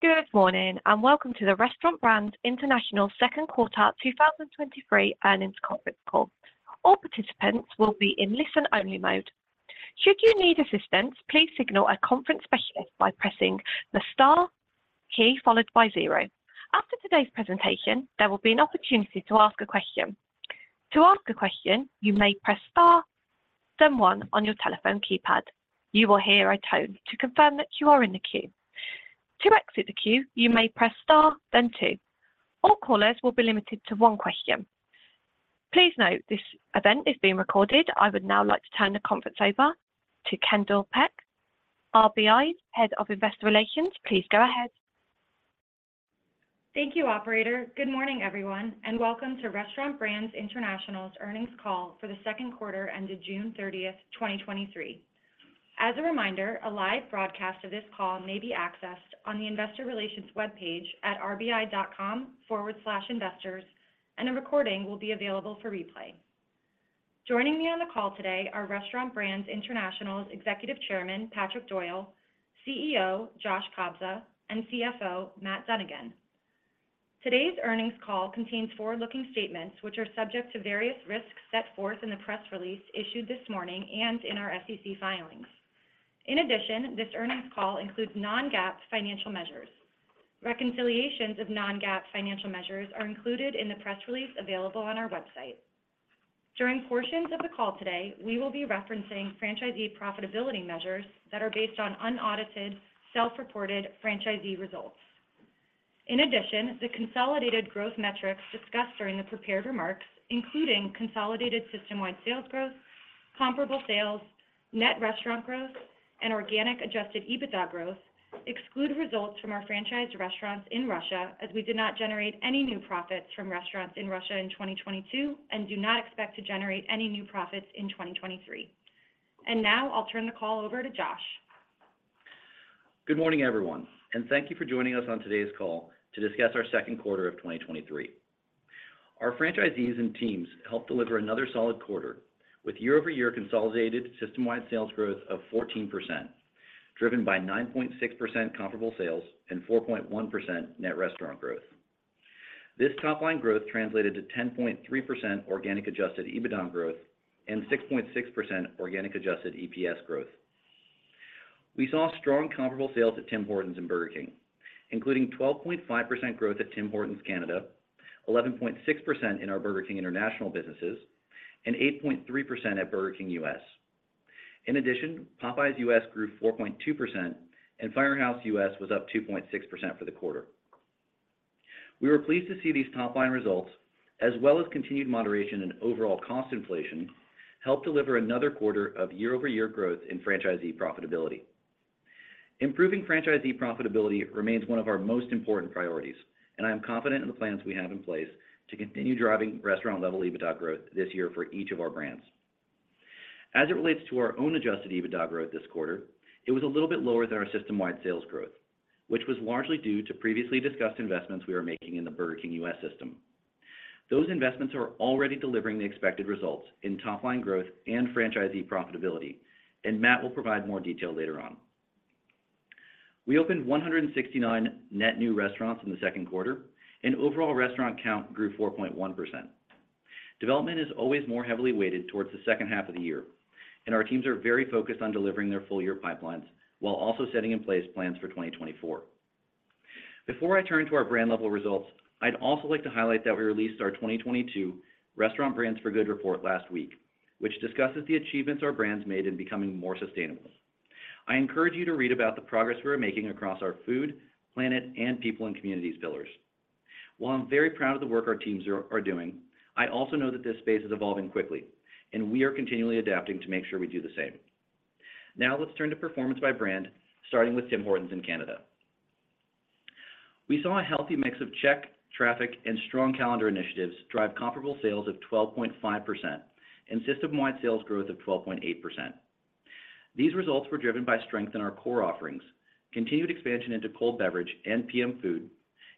Good morning, and welcome to the Restaurant Brands International Second Quarter 2023 Earnings Conference Call. All participants will be in listen-only mode. Should you need assistance, please signal a conference specialist by pressing the star key followed by zero. After today's presentation, there will be an opportunity to ask a question. To ask a question, you may press star, then one on your telephone keypad. You will hear a tone to confirm that you are in the queue. To exit the queue, you may press star, then two. All callers will be limited to one question. Please note, this event is being recorded. I would now like to turn the conference over to Kendall Peck, RBI, Head of Investor Relations. Please go ahead. Thank you, operator. Good morning, everyone, welcome to Restaurant Brands International's earnings call for the second quarter ended June 30, 2023. As a reminder, a live broadcast of this call may be accessed on the investor relations webpage at rbi.com/investors, and a recording will be available for replay. Joining me on the call today are Restaurant Brands International's Executive Chairman, Patrick Doyle, CEO, Josh Kobza, and CFO, Matt Dunnigan. Today's earnings call contains forward-looking statements which are subject to various risks set forth in the press release issued this morning and in our SEC filings. In addition, this earnings call includes non-GAAP financial measures. Reconciliations of non-GAAP financial measures are included in the press release available on our website. During portions of the call today, we will be referencing franchisee profitability measures that are based on unaudited, self-reported franchisee results. In addition, the consolidated growth metrics discussed during the prepared remarks, including consolidated system-wide sales growth, comparable sales, net restaurant growth, and organic adjusted EBITDA growth, exclude results from our franchised restaurants in Russia, as we did not generate any new profits from restaurants in Russia in 2022 and do not expect to generate any new profits in 2023. Now I'll turn the call over to Josh. Good morning, everyone, thank you for joining us on today's call to discuss our second quarter of 2023. Our franchisees and teams helped deliver another solid quarter, with year-over-year consolidated system-wide sales growth of 14%, driven by 9.6% comparable sales and 4.1% net restaurant growth. This top-line growth translated to 10.3% organic adjusted EBITDA growth and 6.6% organic adjusted EPS growth. We saw strong comparable sales at Tim Hortons and Burger King, including 12.5% growth at Tim Hortons Canada, 11.6% in our Burger King International businesses, and 8.3% at Burger King U.S. In addition, Popeyes U.S. grew 4.2%, and Firehouse U.S. was up 2.6% for the quarter. We were pleased to see these top-line results, as well as continued moderation in overall cost inflation, helped deliver another quarter of year-over-year growth in franchisee profitability. Improving franchisee profitability remains one of our most important priorities, and I am confident in the plans we have in place to continue driving restaurant-level EBITDA growth this year for each of our brands. As it relates to our own adjusted EBITDA growth this quarter, it was a little bit lower than our system-wide sales growth, which was largely due to previously discussed investments we are making in the Burger King U.S. system. Those investments are already delivering the expected results in top-line growth and franchisee profitability, and Matt will provide more detail later on. We opened 169 net new restaurants in the second quarter, and overall restaurant count grew 4.1%. Development is always more heavily weighted towards the second half of the year, and our teams are very focused on delivering their full-year pipelines while also setting in place plans for 2024. Before I turn to our brand-level results, I'd also like to highlight that we released our 2022 Restaurant Brands for Good report last week, which discusses the achievements our brands made in becoming more sustainable. I encourage you to read about the progress we are making across our food, planet, and people and communities pillars. While I'm very proud of the work our teams are doing, I also know that this space is evolving quickly, and we are continually adapting to make sure we do the same. Now, let's turn to performance by brand, starting with Tim Hortons in Canada. We saw a healthy mix of check, traffic, and strong calendar initiatives drive comparable sales of 12.5% and system-wide sales growth of 12.8%. These results were driven by strength in our core offerings, continued expansion into cold beverage and PM food,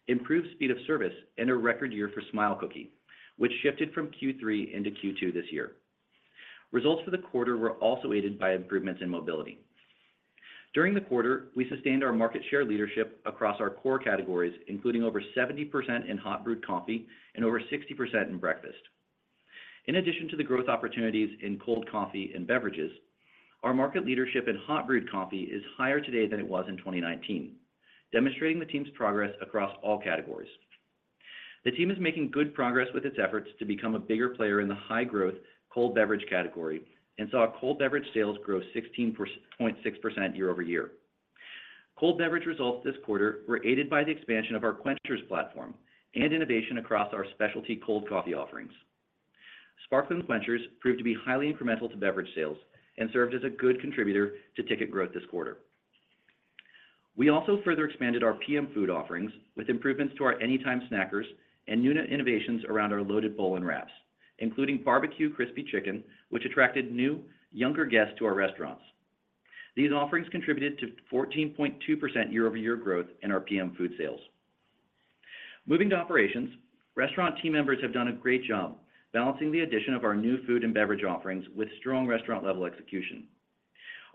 improved speed of service, and a record year for Smile Cookie, which shifted from Q3 into Q2 this year. Results for the quarter were also aided by improvements in mobility. During the quarter, we sustained our market share leadership across our core categories, including over 70% in hot brewed coffee and over 60% in breakfast. In addition to the growth opportunities in cold coffee and beverages, our market leadership in hot brewed coffee is higher today than it was in 2019, demonstrating the team's progress across all categories. The team is making good progress with its efforts to become a bigger player in the high-growth cold beverage category and saw cold beverage sales grow 16.6% year-over-year. Cold beverage results this quarter were aided by the expansion of our Quenchers platform and innovation across our specialty cold coffee offerings. Sparkling Quenchers proved to be highly incremental to beverage sales and served as a good contributor to ticket growth this quarter. We also further expanded our PM food offerings with improvements to our Anytime Snackers and new innovations around our Loaded bowl and wraps, including barbecue crispy chicken, which attracted new, younger guests to our restaurants. These offerings contributed to 14.2% year-over-year growth in our PM food sales. Moving to operations, restaurant team members have done a great job balancing the addition of our new food and beverage offerings with strong restaurant-level execution.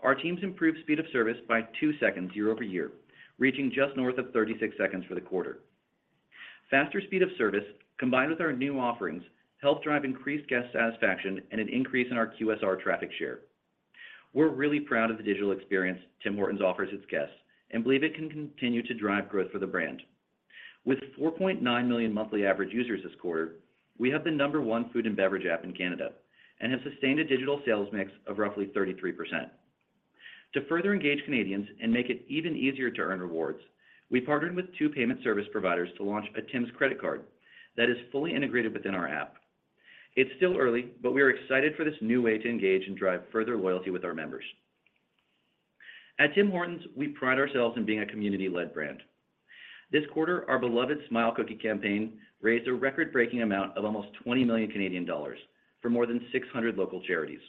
Our teams improved speed of service by two seconds year-over-year, reaching just north of 36 seconds for the quarter. Faster speed of service, combined with our new offerings, helped drive increased guest satisfaction and an increase in our QSR traffic share. We're really proud of the digital experience Tim Hortons offers its guests, and believe it can continue to drive growth for the brand. With 4.9 million monthly average users this quarter, we have the number one food and beverage app in Canada, and have sustained a digital sales mix of roughly 33%. To further engage Canadians and make it even easier to earn rewards, we partnered with two payment service providers to launch a Tims credit card that is fully integrated within our app. It's still early, but we are excited for this new way to engage and drive further loyalty with our members. At Tim Hortons, we pride ourselves in being a community-led brand. This quarter, our beloved Smile Cookie campaign raised a record-breaking amount of almost 20 million Canadian dollars for more than 600 local charities.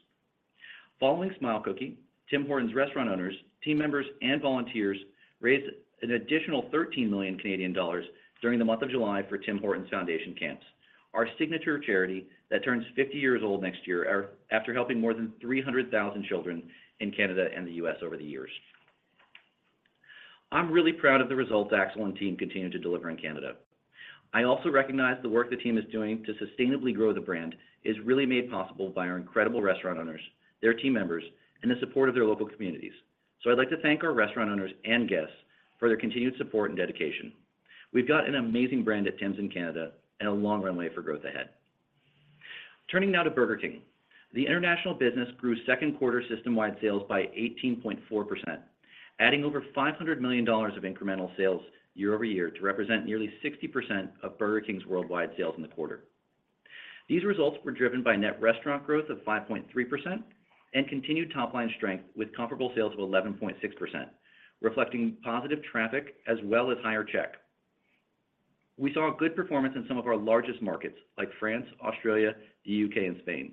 Following Smile Cookie, Tim Hortons restaurant owners, team members, and volunteers raised an additional 13 million Canadian dollars during the month of July for Tim Hortons Foundation Camps, our signature charity that turns 50 years old next year, after helping more than 300,000 children in Canada and the U.S. over the years. I'm really proud of the results Axel and team continue to deliver in Canada. I also recognize the work the team is doing to sustainably grow the brand is really made possible by our incredible restaurant owners, their team members, and the support of their local communities. I'd like to thank our restaurant owners and guests for their continued support and dedication. We've got an amazing brand at Tim's in Canada and a long runway for growth ahead. Turning now to Burger King. The international business grew second quarter system-wide sales by 18.4%, adding over $500 million of incremental sales year-over-year to represent nearly 60% of Burger King's worldwide sales in the quarter. These results were driven by net restaurant growth of 5.3% and continued top-line strength with comparable sales of 11.6%, reflecting positive traffic as well as higher check. We saw a good performance in some of our largest markets, like France, Australia, the U.K., and Spain,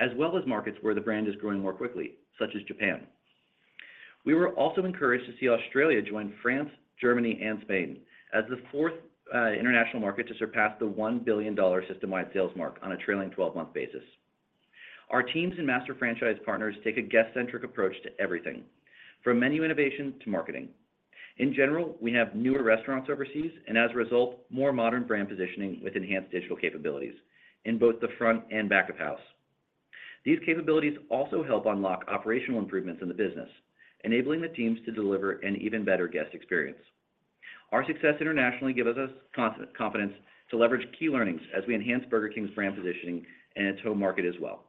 as well as markets where the brand is growing more quickly, such as Japan. We were also encouraged to see Australia join France, Germany, and Spain as the fourth international market to surpass the $1 billion system-wide sales mark on a trailing 12-month basis. Our teams and master franchise partners take a guest-centric approach to everything, from menu innovation to marketing. In general, we have newer restaurants overseas, and as a result, more modern brand positioning with enhanced digital capabilities in both the front and back of house. These capabilities also help unlock operational improvements in the business, enabling the teams to deliver an even better guest experience. Our success internationally gives us confidence to leverage key learnings as we enhance Burger King's brand positioning in its home market as well.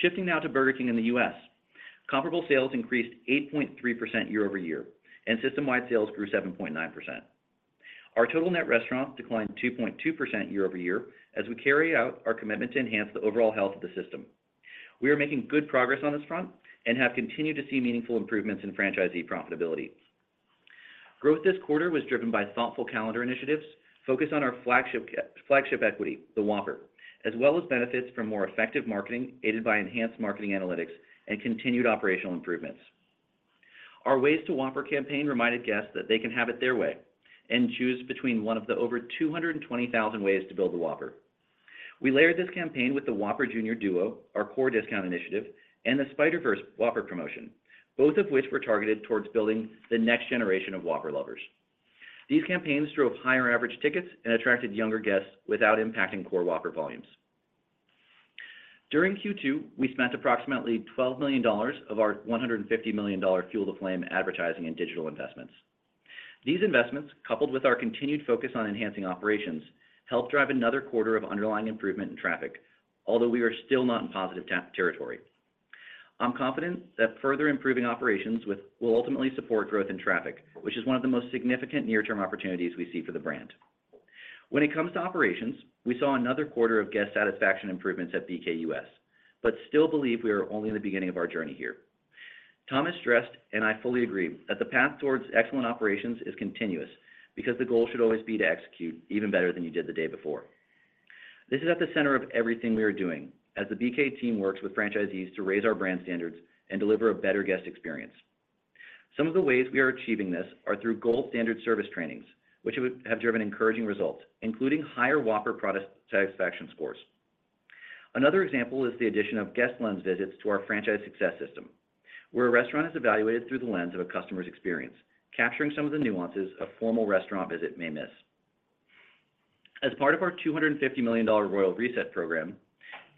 Shifting now to Burger King in the U.S., comparable sales increased 8.3% year over year, and system-wide sales grew 7.9%. Our total net restaurants declined 2.2% year over year as we carry out our commitment to enhance the overall health of the system. We are making good progress on this front and have continued to see meaningful improvements in franchisee profitability. Growth this quarter was driven by thoughtful calendar initiatives focused on our flagship equity, the Whopper, as well as benefits from more effective marketing, aided by enhanced marketing analytics and continued operational improvements. Our Ways to Whopper campaign reminded guests that they can have it their way and choose between one of the over 220,000 ways to build a Whopper. We layered this campaign with the Whopper Jr. Duo, our core discount initiative, and the Spider-Verse Whopper promotion, both of which were targeted towards building the next generation of Whopper lovers. These campaigns drove higher average tickets and attracted younger guests without impacting core Whopper volumes. During Q2, we spent approximately $12 million of our $150 million Fuel the Flame advertising and digital investments. These investments, coupled with our continued focus on enhancing operations, helped drive another quarter of underlying improvement in traffic, although we are still not in positive territory. I'm confident that further improving operations will ultimately support growth in traffic, which is one of the most significant near-term opportunities we see for the brand. When it comes to operations, we saw another quarter of guest satisfaction improvements at Burger King U.S., but still believe we are only in the beginning of our journey here. Thomas stressed, and I fully agree, that the path towards excellent operations is continuous because the goal should always be to execute even better than you did the day before. This is at the center of everything we are doing, as the BK team works with franchisees to raise our brand standards and deliver a better guest experience. Some of the ways we are achieving this are through Gold Standard service trainings, which have driven encouraging results, including higher Whopper product satisfaction scores. Another example is the addition of Guest Lens visits to our Franchise Success System, where a restaurant is evaluated through the lens of a customer's experience, capturing some of the nuances a formal restaurant visit may miss. As part of our $250 million Royal Reset program,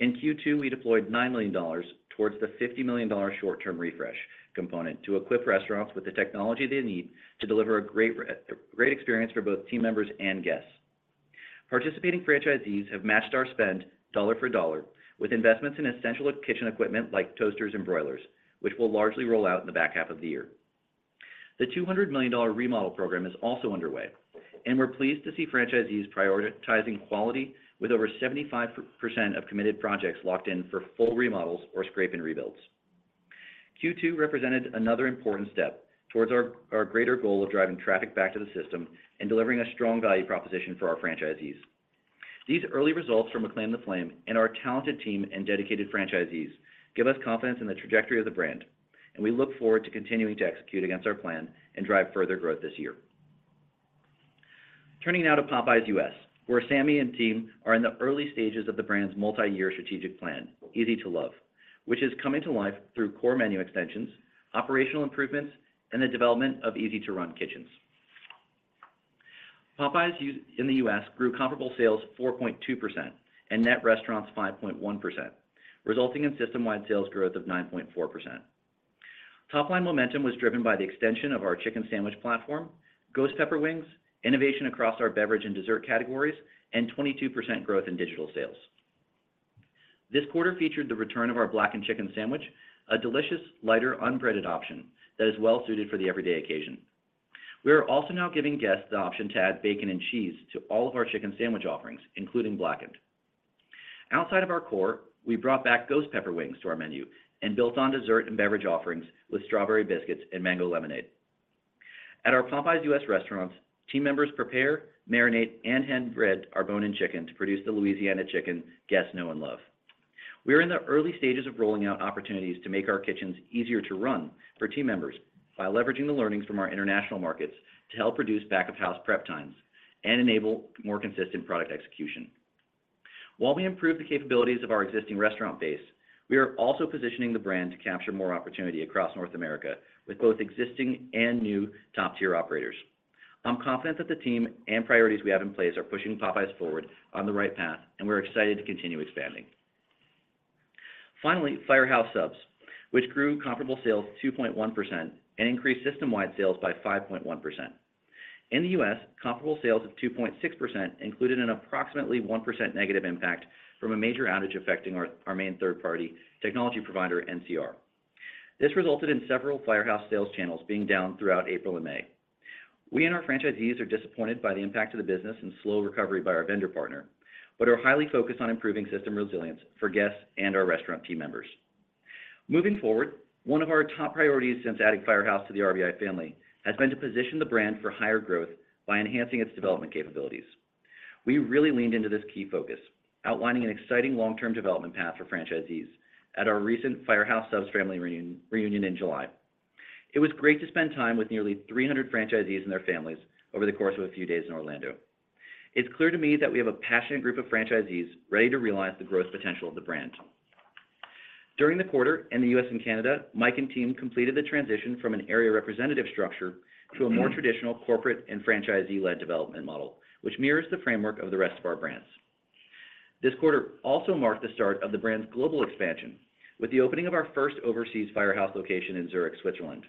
in Q2, we deployed $9 million towards the $50 million short-term refresh component to equip restaurants with the technology they need to deliver a great experience for both team members and guests. Participating franchisees have matched our spend dollar for dollar with investments in essential kitchen equipment like toasters and broilers, which will largely roll out in the back half of the year. The $200 million remodel program is also underway, and we're pleased to see franchisees prioritizing quality with over 75% of committed projects locked in for full remodels or scrape and rebuilds. Q2 represented another important step towards our greater goal of driving traffic back to the system and delivering a strong value proposition for our franchisees. These early results from Reclaim the Flame and our talented team and dedicated franchisees give us confidence in the trajectory of the brand, and we look forward to continuing to execute against our plan and drive further growth this year. Turning now to Popeyes US, where Sammy and team are in the early stages of the brand's multi-year strategic plan, Easy to Love, which is coming to life through core menu extensions, operational improvements, and the development of easy-to-run kitchens. Popeyes in the U.S. grew comparable sales 4.2% and net restaurants 5.1%, resulting in system-wide sales growth of 9.4%. Top-line momentum was driven by the extension of our chicken sandwich platform, Ghost Pepper wings, innovation across our beverage and dessert categories, and 22% growth in digital sales. This quarter featured the return of our Blackened Chicken Sandwich, a delicious, lighter, unbreaded option that is well suited for the everyday occasion. We are also now giving guests the option to add bacon and cheese to all of our chicken sandwich offerings, including blackened. Outside of our core, we brought back Ghost Pepper wings to our menu and built on dessert and beverage offerings with strawberry biscuits and mango lemonade. At our Popeyes U.S. restaurants, team members prepare, marinate, and hand-bread our bone-in chicken to produce the Louisiana chicken guests know and love. We are in the early stages of rolling out opportunities to make our kitchens easier to run for team members by leveraging the learnings from our international markets to help reduce back-of-house prep times and enable more consistent product execution. While we improve the capabilities of our existing restaurant base, we are also positioning the brand to capture more opportunity across North America with both existing and new top-tier operators. I'm confident that the team and priorities we have in place are pushing Popeyes forward on the right path, and we're excited to continue expanding. Firehouse Subs, which grew comparable sales 2.1% and increased system-wide sales by 5.1%. In the U.S., comparable sales of 2.6% included an approximately 1% negative impact from a major outage affecting our main third-party technology provider, NCR. This resulted in several Firehouse sales channels being down throughout April and May. We and our franchisees are disappointed by the impact to the business and slow recovery by our vendor partner, but are highly focused on improving system resilience for guests and our restaurant team members. Moving forward, one of our top priorities since adding Firehouse to the RBI family has been to position the brand for higher growth by enhancing its development capabilities. We really leaned into this key focus, outlining an exciting long-term development path for franchisees at our recent Firehouse Subs family reunion in July. It was great to spend time with nearly 300 franchisees and their families over the course of a few days in Orlando. It's clear to me that we have a passionate group of franchisees ready to realize the growth potential of the brand. During the quarter in the U.S. and Canada, Mike and team completed the transition from an area representative structure to a more traditional corporate and franchisee-led development model, which mirrors the framework of the rest of our brands. This quarter also marked the start of the brand's global expansion, with the opening of our first overseas Firehouse location in Zurich, Switzerland.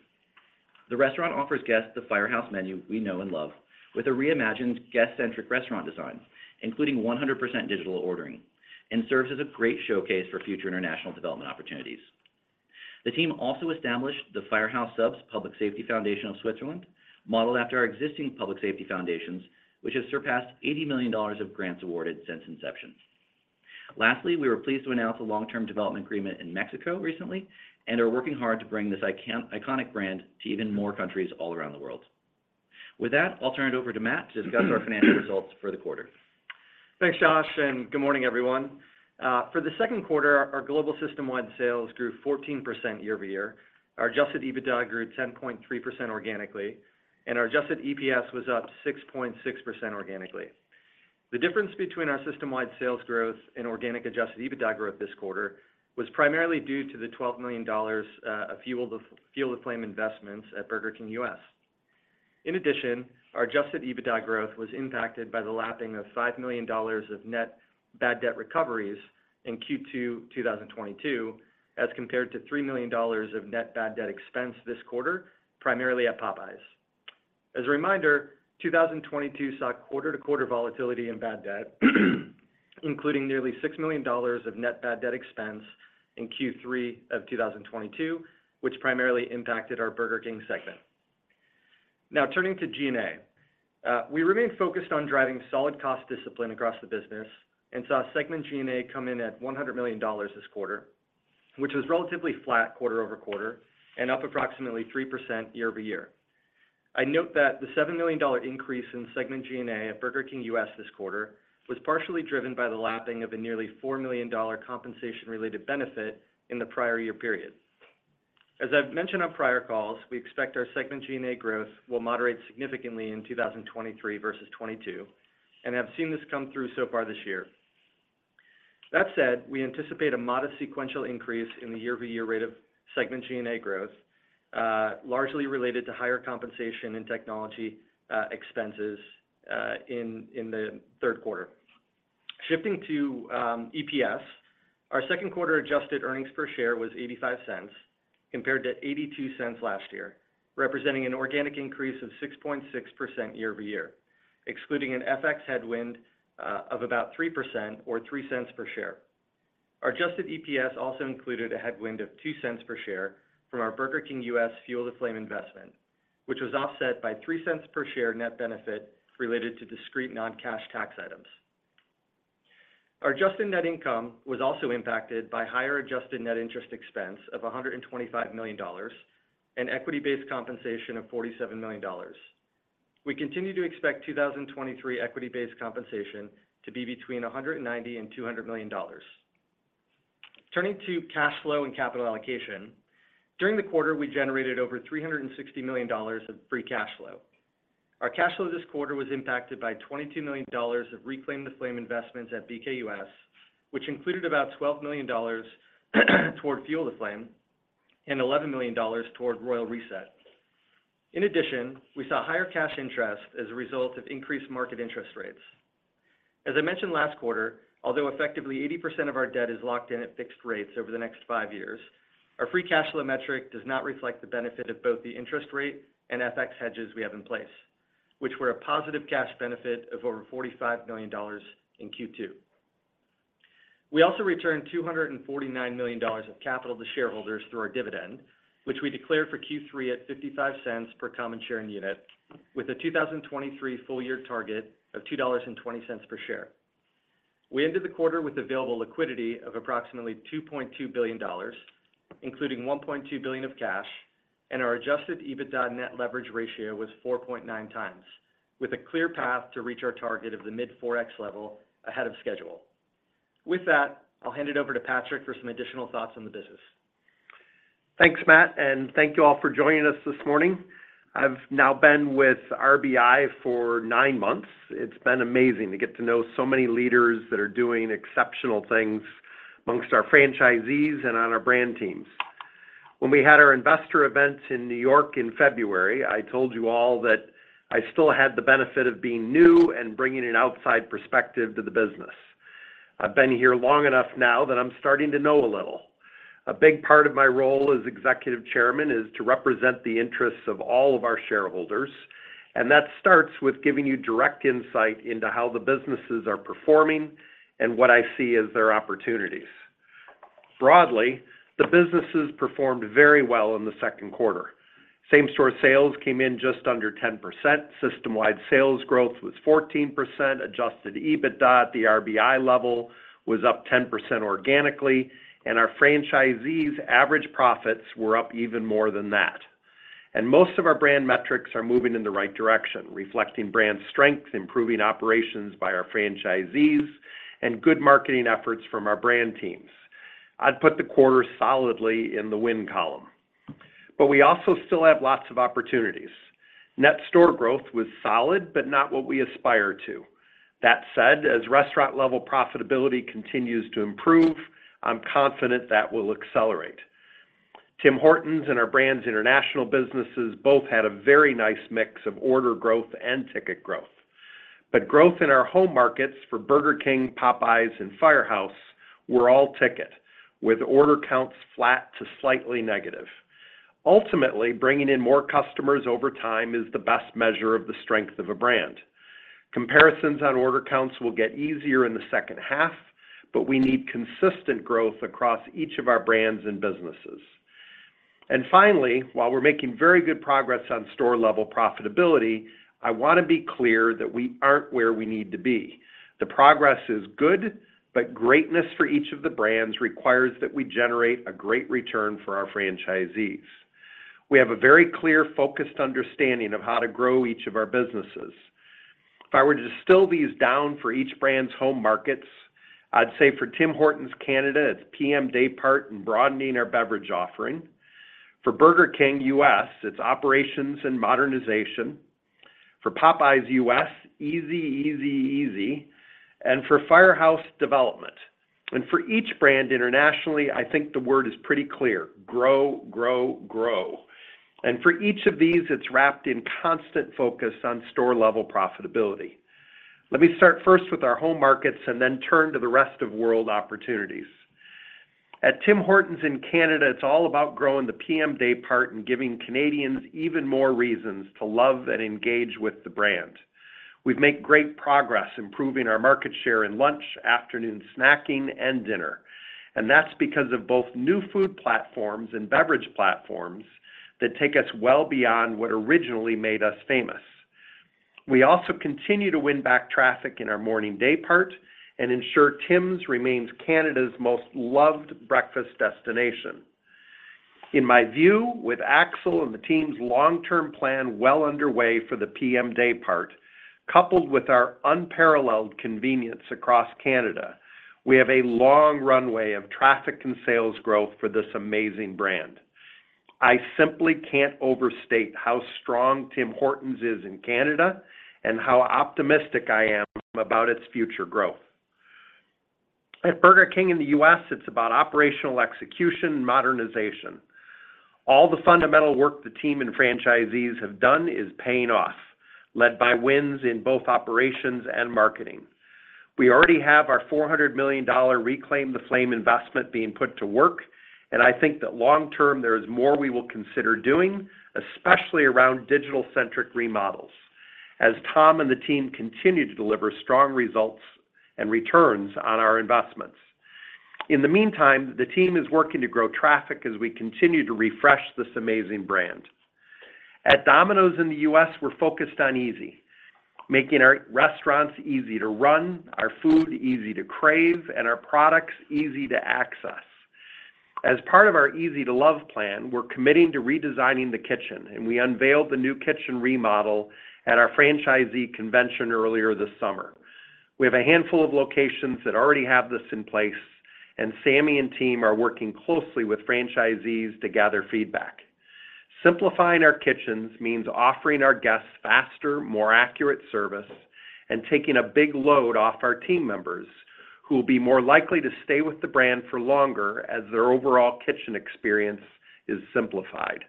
The restaurant offers guests the Firehouse menu we know and love, with a reimagined guest-centric restaurant design, including 100% digital ordering, and serves as a great showcase for future international development opportunities. The team also established the Firehouse Subs Public Safety Foundation of Switzerland, modeled after our existing public safety foundations, which have surpassed $80 million of grants awarded since inception. Lastly, we were pleased to announce a long-term development agreement in Mexico recently and are working hard to bring this iconic brand to even more countries all around the world. With that, I'll turn it over to Matt to discuss our financial results for the quarter. Thanks, Josh, and good morning, everyone. For the second quarter, our global system-wide sales grew 14% year-over-year. Our adjusted EBITDA grew 10.3% organically, our adjusted EPS was up 6.6% organically. The difference between our system-wide sales growth and organic adjusted EBITDA growth this quarter was primarily due to the $12 million of Fuel the Flame investments at Burger King U.S. Our adjusted EBITDA growth was impacted by the lapping of $5 million of net bad debt recoveries in Q2 2022, as compared to $3 million of net bad debt expense this quarter, primarily at Popeyes. 2022 saw quarter-to-quarter volatility in bad debt, including nearly $6 million of net bad debt expense in Q3 2022, which primarily impacted our Burger King segment. Now turning to G&A. We remain focused on driving solid cost discipline across the business and saw segment G&A come in at $100 million this quarter, which was relatively flat quarter-over-quarter and up approximately 3% year-over-year. I note that the $7 million increase in segment G&A at Burger King U.S. this quarter was partially driven by the lapping of a nearly $4 million compensation-related benefit in the prior year period. As I've mentioned on prior calls, we expect our segment G&A growth will moderate significantly in 2023 versus 2022 and have seen this come through so far this year. That said, we anticipate a modest sequential increase in the year-over-year rate of segment G&A growth, largely related to higher compensation and technology expenses in the third quarter. Shifting to EPS, our second quarter adjusted earnings per share was $0.85, compared to $0.82 last year, representing an organic increase of 6.6% year-over-year, excluding an FX headwind of about 3% or $0.03 per share. Our adjusted EPS also included a headwind of $0.02 per share from our Burger King U.S. Fuel the Flame investment, which was offset by $0.03 per share net benefit related to discrete non-cash tax items. Our adjusted net income was also impacted by higher adjusted net interest expense of $125 million and equity-based compensation of $47 million. We continue to expect 2023 equity-based compensation to be between $190 million and $200 million. Turning to cash flow and capital allocation, during the quarter, we generated over $360 million of free cash flow. Our cash flow this quarter was impacted by $22 million of Reclaim the Flame investments at BK U.S., which included about $12 million toward Fuel the Flame and $11 million toward Royal Reset. In addition, we saw higher cash interest as a result of increased market interest rates. As I mentioned last quarter, although effectively 80% of our debt is locked in at fixed rates over the next five years, our free cash flow metric does not reflect the benefit of both the interest rate and FX hedges we have in place, which were a positive cash benefit of over $45 million in Q2. We also returned $249 million of capital to shareholders through our dividend, which we declared for Q3 at $0.55 per common share and unit, with a 2023 full year target of $2.20 per share. We ended the quarter with available liquidity of approximately $2.2 billion, including $1.2 billion of cash, and our adjusted EBITDA net leverage ratio was 4.9 times, with a clear path to reach our target of the mid 4x level ahead of schedule. With that, I'll hand it over to Patrick for some additional thoughts on the business. Thanks, Matt. Thank you all for joining us this morning. I've now been with RBI for nine months. It's been amazing to get to know so many leaders that are doing exceptional things amongst our franchisees and on our brand teams. When we had our investor event in New York in February, I told you all that I still had the benefit of being new and bringing an outside perspective to the business. I've been here long enough now that I'm starting to know a little. A big part of my role as Executive Chairman is to represent the interests of all of our shareholders. That starts with giving you direct insight into how the businesses are performing and what I see as their opportunities. Broadly, the businesses performed very well in the second quarter. Same-store sales came in just under 10%. System-wide sales growth was 14%. Adjusted EBITDA at the RBI level was up 10% organically, our franchisees' average profits were up even more than that. Most of our brand metrics are moving in the right direction, reflecting brand strength, improving operations by our franchisees, and good marketing efforts from our brand teams. I'd put the quarter solidly in the win column. We also still have lots of opportunities. Net store growth was solid, but not what we aspire to. That said, as restaurant-level profitability continues to improve, I'm confident that will accelerate. Tim Hortons and our brands' international businesses both had a very nice mix of order growth and ticket growth. Growth in our home markets for Burger King, Popeyes, and Firehouse were all ticket, with order counts flat to slightly negative. Ultimately, bringing in more customers over time is the best measure of the strength of a brand. Comparisons on order counts will get easier in the second half, but we need consistent growth across each of our brands and businesses. Finally, while we're making very good progress on store-level profitability, I want to be clear that we aren't where we need to be. The progress is good, but greatness for each of the brands requires that we generate a great return for our franchisees. We have a very clear, focused understanding of how to grow each of our businesses. If I were to distill these down for each brand's home markets, I'd say for Tim Hortons Canada, it's PM day part and broadening our beverage offering. For Burger King U.S., it's operations and modernization. For Popeyes U.S., easy, easy, easy. For Firehouse, development. For each brand internationally, I think the word is pretty clear: grow, grow, grow. For each of these, it's wrapped in constant focus on store-level profitability. Let me start first with our home markets and then turn to the rest of world opportunities. At Tim Hortons in Canada, it's all about growing the PM day part and giving Canadians even more reasons to love and engage with the brand. We've made great progress improving our market share in lunch, afternoon snacking, and dinner, and that's because of both new food platforms and beverage platforms that take us well beyond what originally made us famous. We also continue to win back traffic in our morning day part and ensure Tim's remains Canada's most loved breakfast destination. In my view, with Axel and the team's long-term plan well underway for the PM day part, coupled with our unparalleled convenience across Canada, we have a long runway of traffic and sales growth for this amazing brand. I simply can't overstate how strong Tim Hortons is in Canada and how optimistic I am about its future growth. At Burger King in the U.S., it's about operational execution, modernization. All the fundamental work the team and franchisees have done is paying off, led by wins in both operations and marketing. I think that long-term, there is more we will consider doing, especially around digital-centric remodels, as Tom and the team continue to deliver strong results and returns on our investment. In the meantime, the team is working to grow traffic as we continue to refresh this amazing brand. At Domino's in the U.S., we're focused on easy, making our restaurants easy to run, our food easy to crave, and our products easy to access. As part of our Easy to Love plan, we're committing to redesigning the kitchen, and we unveiled the new kitchen remodel at our franchisee convention earlier this summer. We have a handful of locations that already have this in place, and Sammy and team are working closely with franchisees to gather feedback. Simplifying our kitchens means offering our guests faster, more accurate service, and taking a big load off our team members, who will be more likely to stay with the brand for longer as their overall kitchen experience is simplified.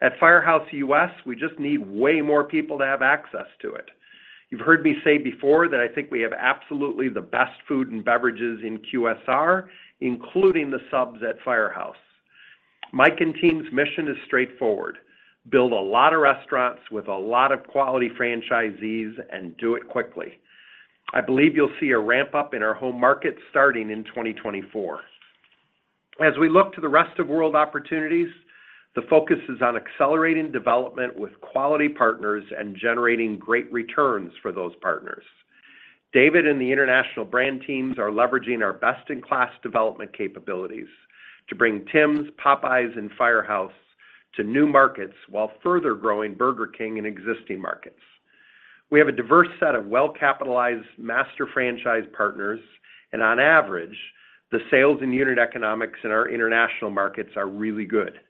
At Firehouse U.S., we just need way more people to have access to it. You've heard me say before that I think we have absolutely the best food and beverages in QSR, including the subs at Firehouse. Mike and team's mission is straightforward: build a lot of restaurants with a lot of quality franchisees, and do it quickly. I believe you'll see a ramp-up in our home market starting in 2024. As we look to the rest of world opportunities, the focus is on accelerating development with quality partners and generating great returns for those partners. David and the international brand teams are leveraging our best-in-class development capabilities to bring Tim's, Popeyes, and Firehouse to new markets while further growing Burger King in existing markets. We have a diverse set of well-capitalized master franchise partners, and on average, the sales and unit economics in our international markets are really good.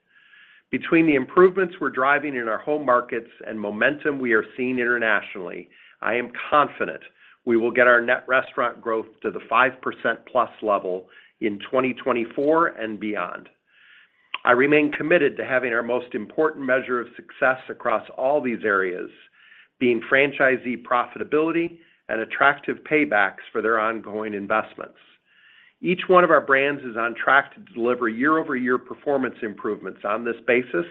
Between the improvements we're driving in our home markets and momentum we are seeing internationally, I am confident we will get our net restaurant growth to the 5% plus level in 2024 and beyond. I remain committed to having our most important measure of success across all these areas, being franchisee profitability and attractive paybacks for their ongoing investments. Each one of our brands is on track to deliver year-over-year performance improvements on this basis,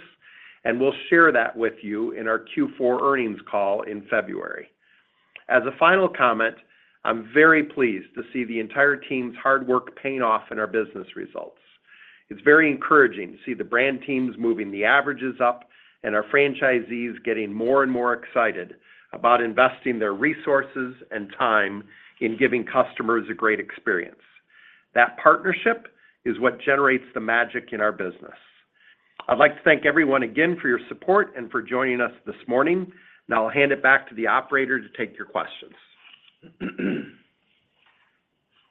and we'll share that with you in our Q4 earnings call in February. As a final comment, I'm very pleased to see the entire team's hard work paying off in our business results. It's very encouraging to see the brand teams moving the averages up and our franchisees getting more and more excited about investing their resources and time in giving customers a great experience. That partnership is what generates the magic in our business. I'd like to thank everyone again for your support and for joining us this morning. I'll hand it back to the operator to take your questions.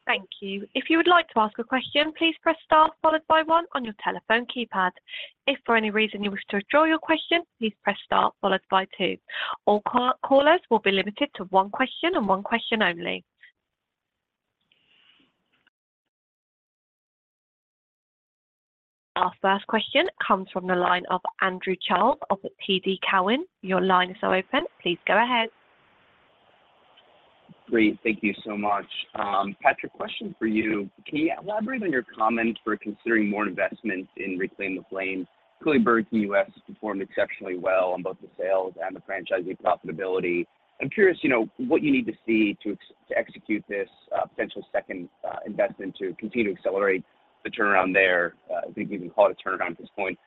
Thank you. If you would like to ask a question, please press star followed by one on your telephone keypad. If for any reason you wish to withdraw your question, please press star followed by two. All callers will be limited to one question and one question only. Our first question comes from the line of Andrew Charles of TD Cowen. Your line is now open. Please go ahead. Great. Thank you so much. Patrick, question for you. Can you elaborate on your comment for considering more investment in Reclaim the Flame? Clearly, Burger King U.S. performed exceptionally well on both the sales and the franchisee profitability. I'm curious, you know, what you need to see to execute this potential second investment to continue to accelerate the turnaround there, I think we can call it a turnaround at this point,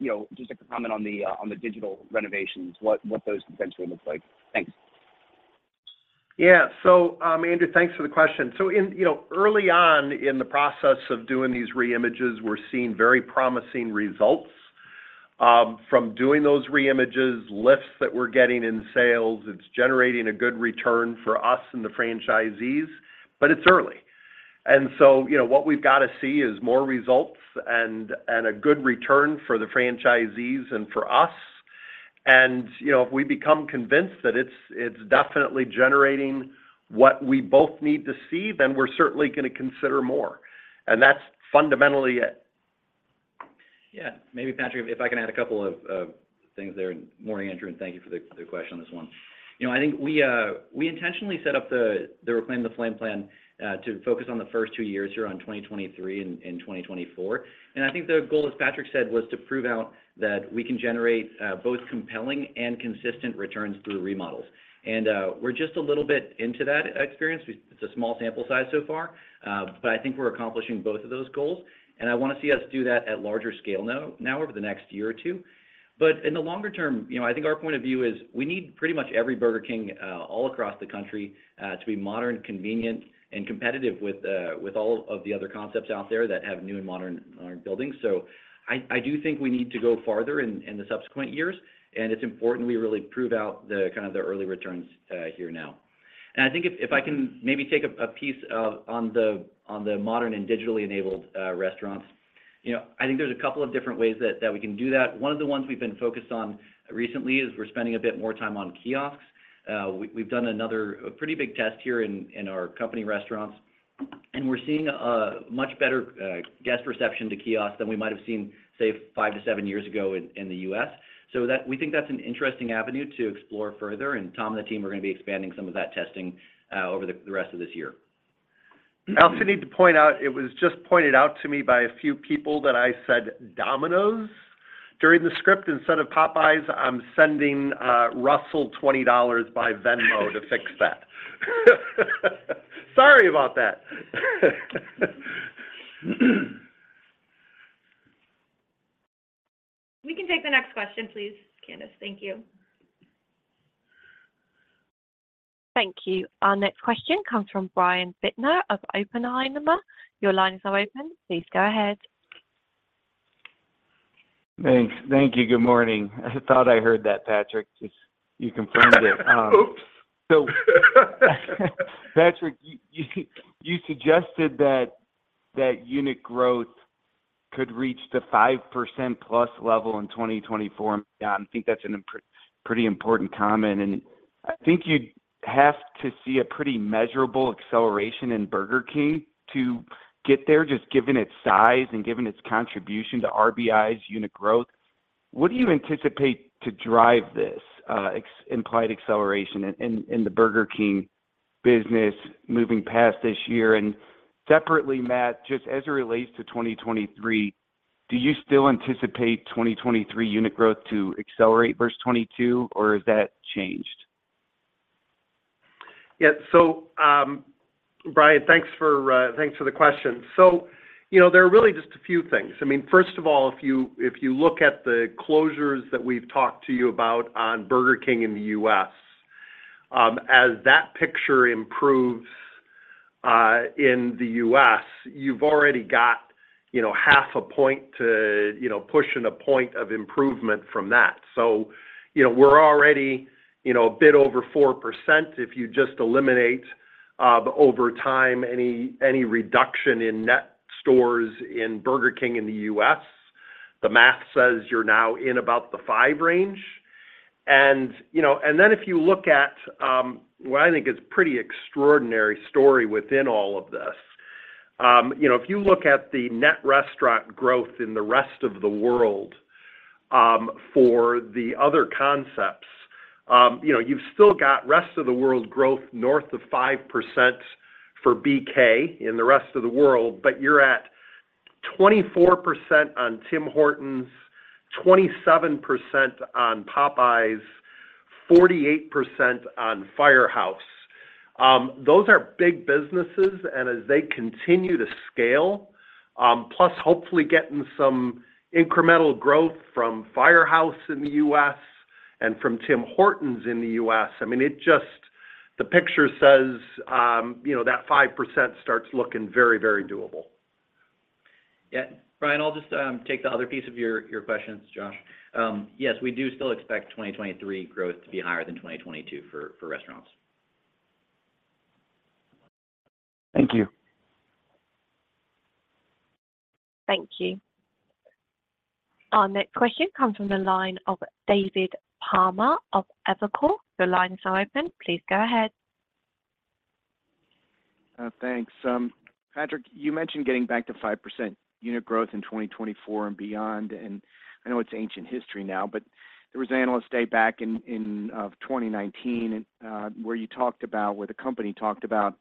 you know, just a comment on the digital renovations, what those potentially look like. Thanks. Yeah. Andrew, thanks for the question. You know, early on in the process of doing these reimages, we're seeing very promising results. From doing those reimages, lifts that we're getting in sales, it's generating a good return for us and the franchisees, but it's early. You know, what we've got to see is more results and, and a good return for the franchisees and for us. You know, if we become convinced that it's, it's definitely generating what we both need to see, then we're certainly going to consider more. That's fundamentally it. Yeah. Maybe, Patrick, if I can add a couple of things there. Morning, Andrew, thank you for the question on this one. You know, I think we intentionally set up the Reclaim the Flame plan to focus on the first two years here on 2023 and 2024. I think the goal, as Patrick said, was to prove out that we can generate both compelling and consistent returns through remodels. We're just a little bit into that experience. It's a small sample size so far, but I think we're accomplishing both of those goals, and I wanna see us do that at larger scale now, over the next year or two. In the longer term, you know, I think our point of view is we need pretty much every Burger King all across the country to be modern, convenient, and competitive with all of the other concepts out there that have new and modern, modern buildings. I do think we need to go farther in, in the subsequent years, and it's important we really prove out the kind of the early returns here now. I think if, if I can maybe take a, a piece of on the, on the modern and digitally enabled restaurants, you know, I think there's a couple of different ways that, that we can do that. One of the ones we've been focused on recently is we're spending a bit more time on kiosks. We've done another, a pretty big test here in, in our company restaurants, and we're seeing a much better, guest reception to kiosks than we might have seen, say, five to seven years ago in, in the U.S. We think that's an interesting avenue to explore further, and Tom and the team are going to be expanding some of that testing, over the, the rest of this year. I also need to point out, it was just pointed out to me by a few people that I said Domino's during the script instead of Popeyes. I'm sending Russell $20 by Venmo to fix that. Sorry about that! We can take the next question, please, Candace. Thank you. Thank you. Our next question comes from Brian Bittner of Oppenheimer. Your lines are open. Please go ahead. Thanks. Thank you. Good morning. I thought I heard that, Patrick, just you confirmed it. Oops! Patrick, you suggested that unit growth could reach the 5%+ level in 2024. I think that's a pretty important comment, and I think you'd have to see a pretty measurable acceleration in Burger King to get there, just given its size and given its contribution to RBI's unit growth. What do you anticipate to drive this implied acceleration in the Burger King business moving past this year? Separately, Matt, just as it relates to 2023, do you still anticipate 2023 unit growth to accelerate versus 2022, or has that changed? Yeah. Brian, thanks for, thanks for the question. You know, there are really just a few things. I mean, first of all, if you look at the closures that we've talked to you about on Burger King in the U.S., as that picture improves, in the U.S., you've already got, you know, 0.5 points to, you know, push in 1 point of improvement from that. You know, we're already, you know, a bit over 4% if you just eliminate, over time, any, any reduction in net stores in Burger King in the U.S. The math says you're now in about the 5 range. You know, then if you look at what I think is pretty extraordinary story within all of this, you know, if you look at the net restaurant growth in the rest of the world, for the other concepts, you know, you've still got rest of the world growth north of 5% for BK in the rest of the world, but you're at 24% on Tim Hortons, 27% on Popeyes, 48% on Firehouse. Those are big businesses, and as they continue to scale, plus hopefully getting some incremental growth from Firehouse in the U.S. and from Tim Hortons in the U.S., I mean, it just. The picture says, you know, that 5% starts looking very, very doable. Yeah. Brian, I'll just take the other piece of your questions, Josh. Yes, we do still expect 2023 growth to be higher than 2022 for, for restaurants. Thank you. Thank you. Our next question comes from the line of David Palmer of Evercore. Your lines are open. Please go ahead. Thanks. Patrick, you mentioned getting back to 5% unit growth in 2024 and beyond. I know it's ancient history now, but there was an analyst day back in, of 2019, where you talked about where the company talked about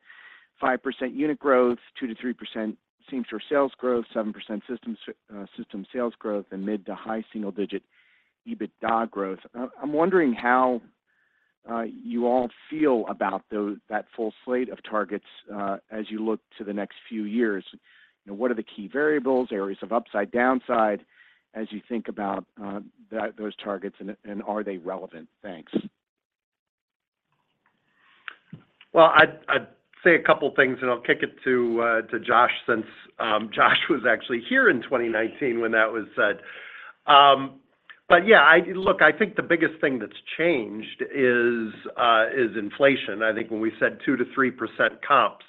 5% unit growth, 2%-3% same-store sales growth, 7% system sales growth, and mid to high single digit EBITDA growth. I'm wondering how you all feel about that full slate of targets as you look to the next few years. You know, what are the key variables, areas of upside, downside, as you think about those targets, and are they relevant? Thanks. Well, I'd say a couple things, and I'll kick it to Josh, since Josh was actually here in 2019 when that was said. Yeah, I think the biggest thing that's changed is inflation. I think when we said 2%-3% comps,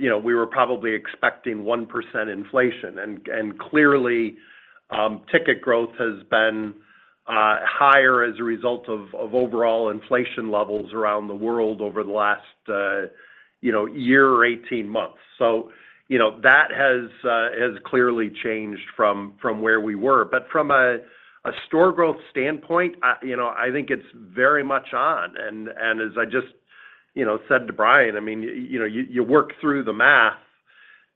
you know, we were probably expecting 1% inflation. Clearly, ticket growth has been higher as a result of overall inflation levels around the world over the last, you know, year or 18 months. That has clearly changed from where we were. From a store growth standpoint, I, you know, I think it's very much on. As I just, you know, said to Brian, I mean, you know, you, you work through the math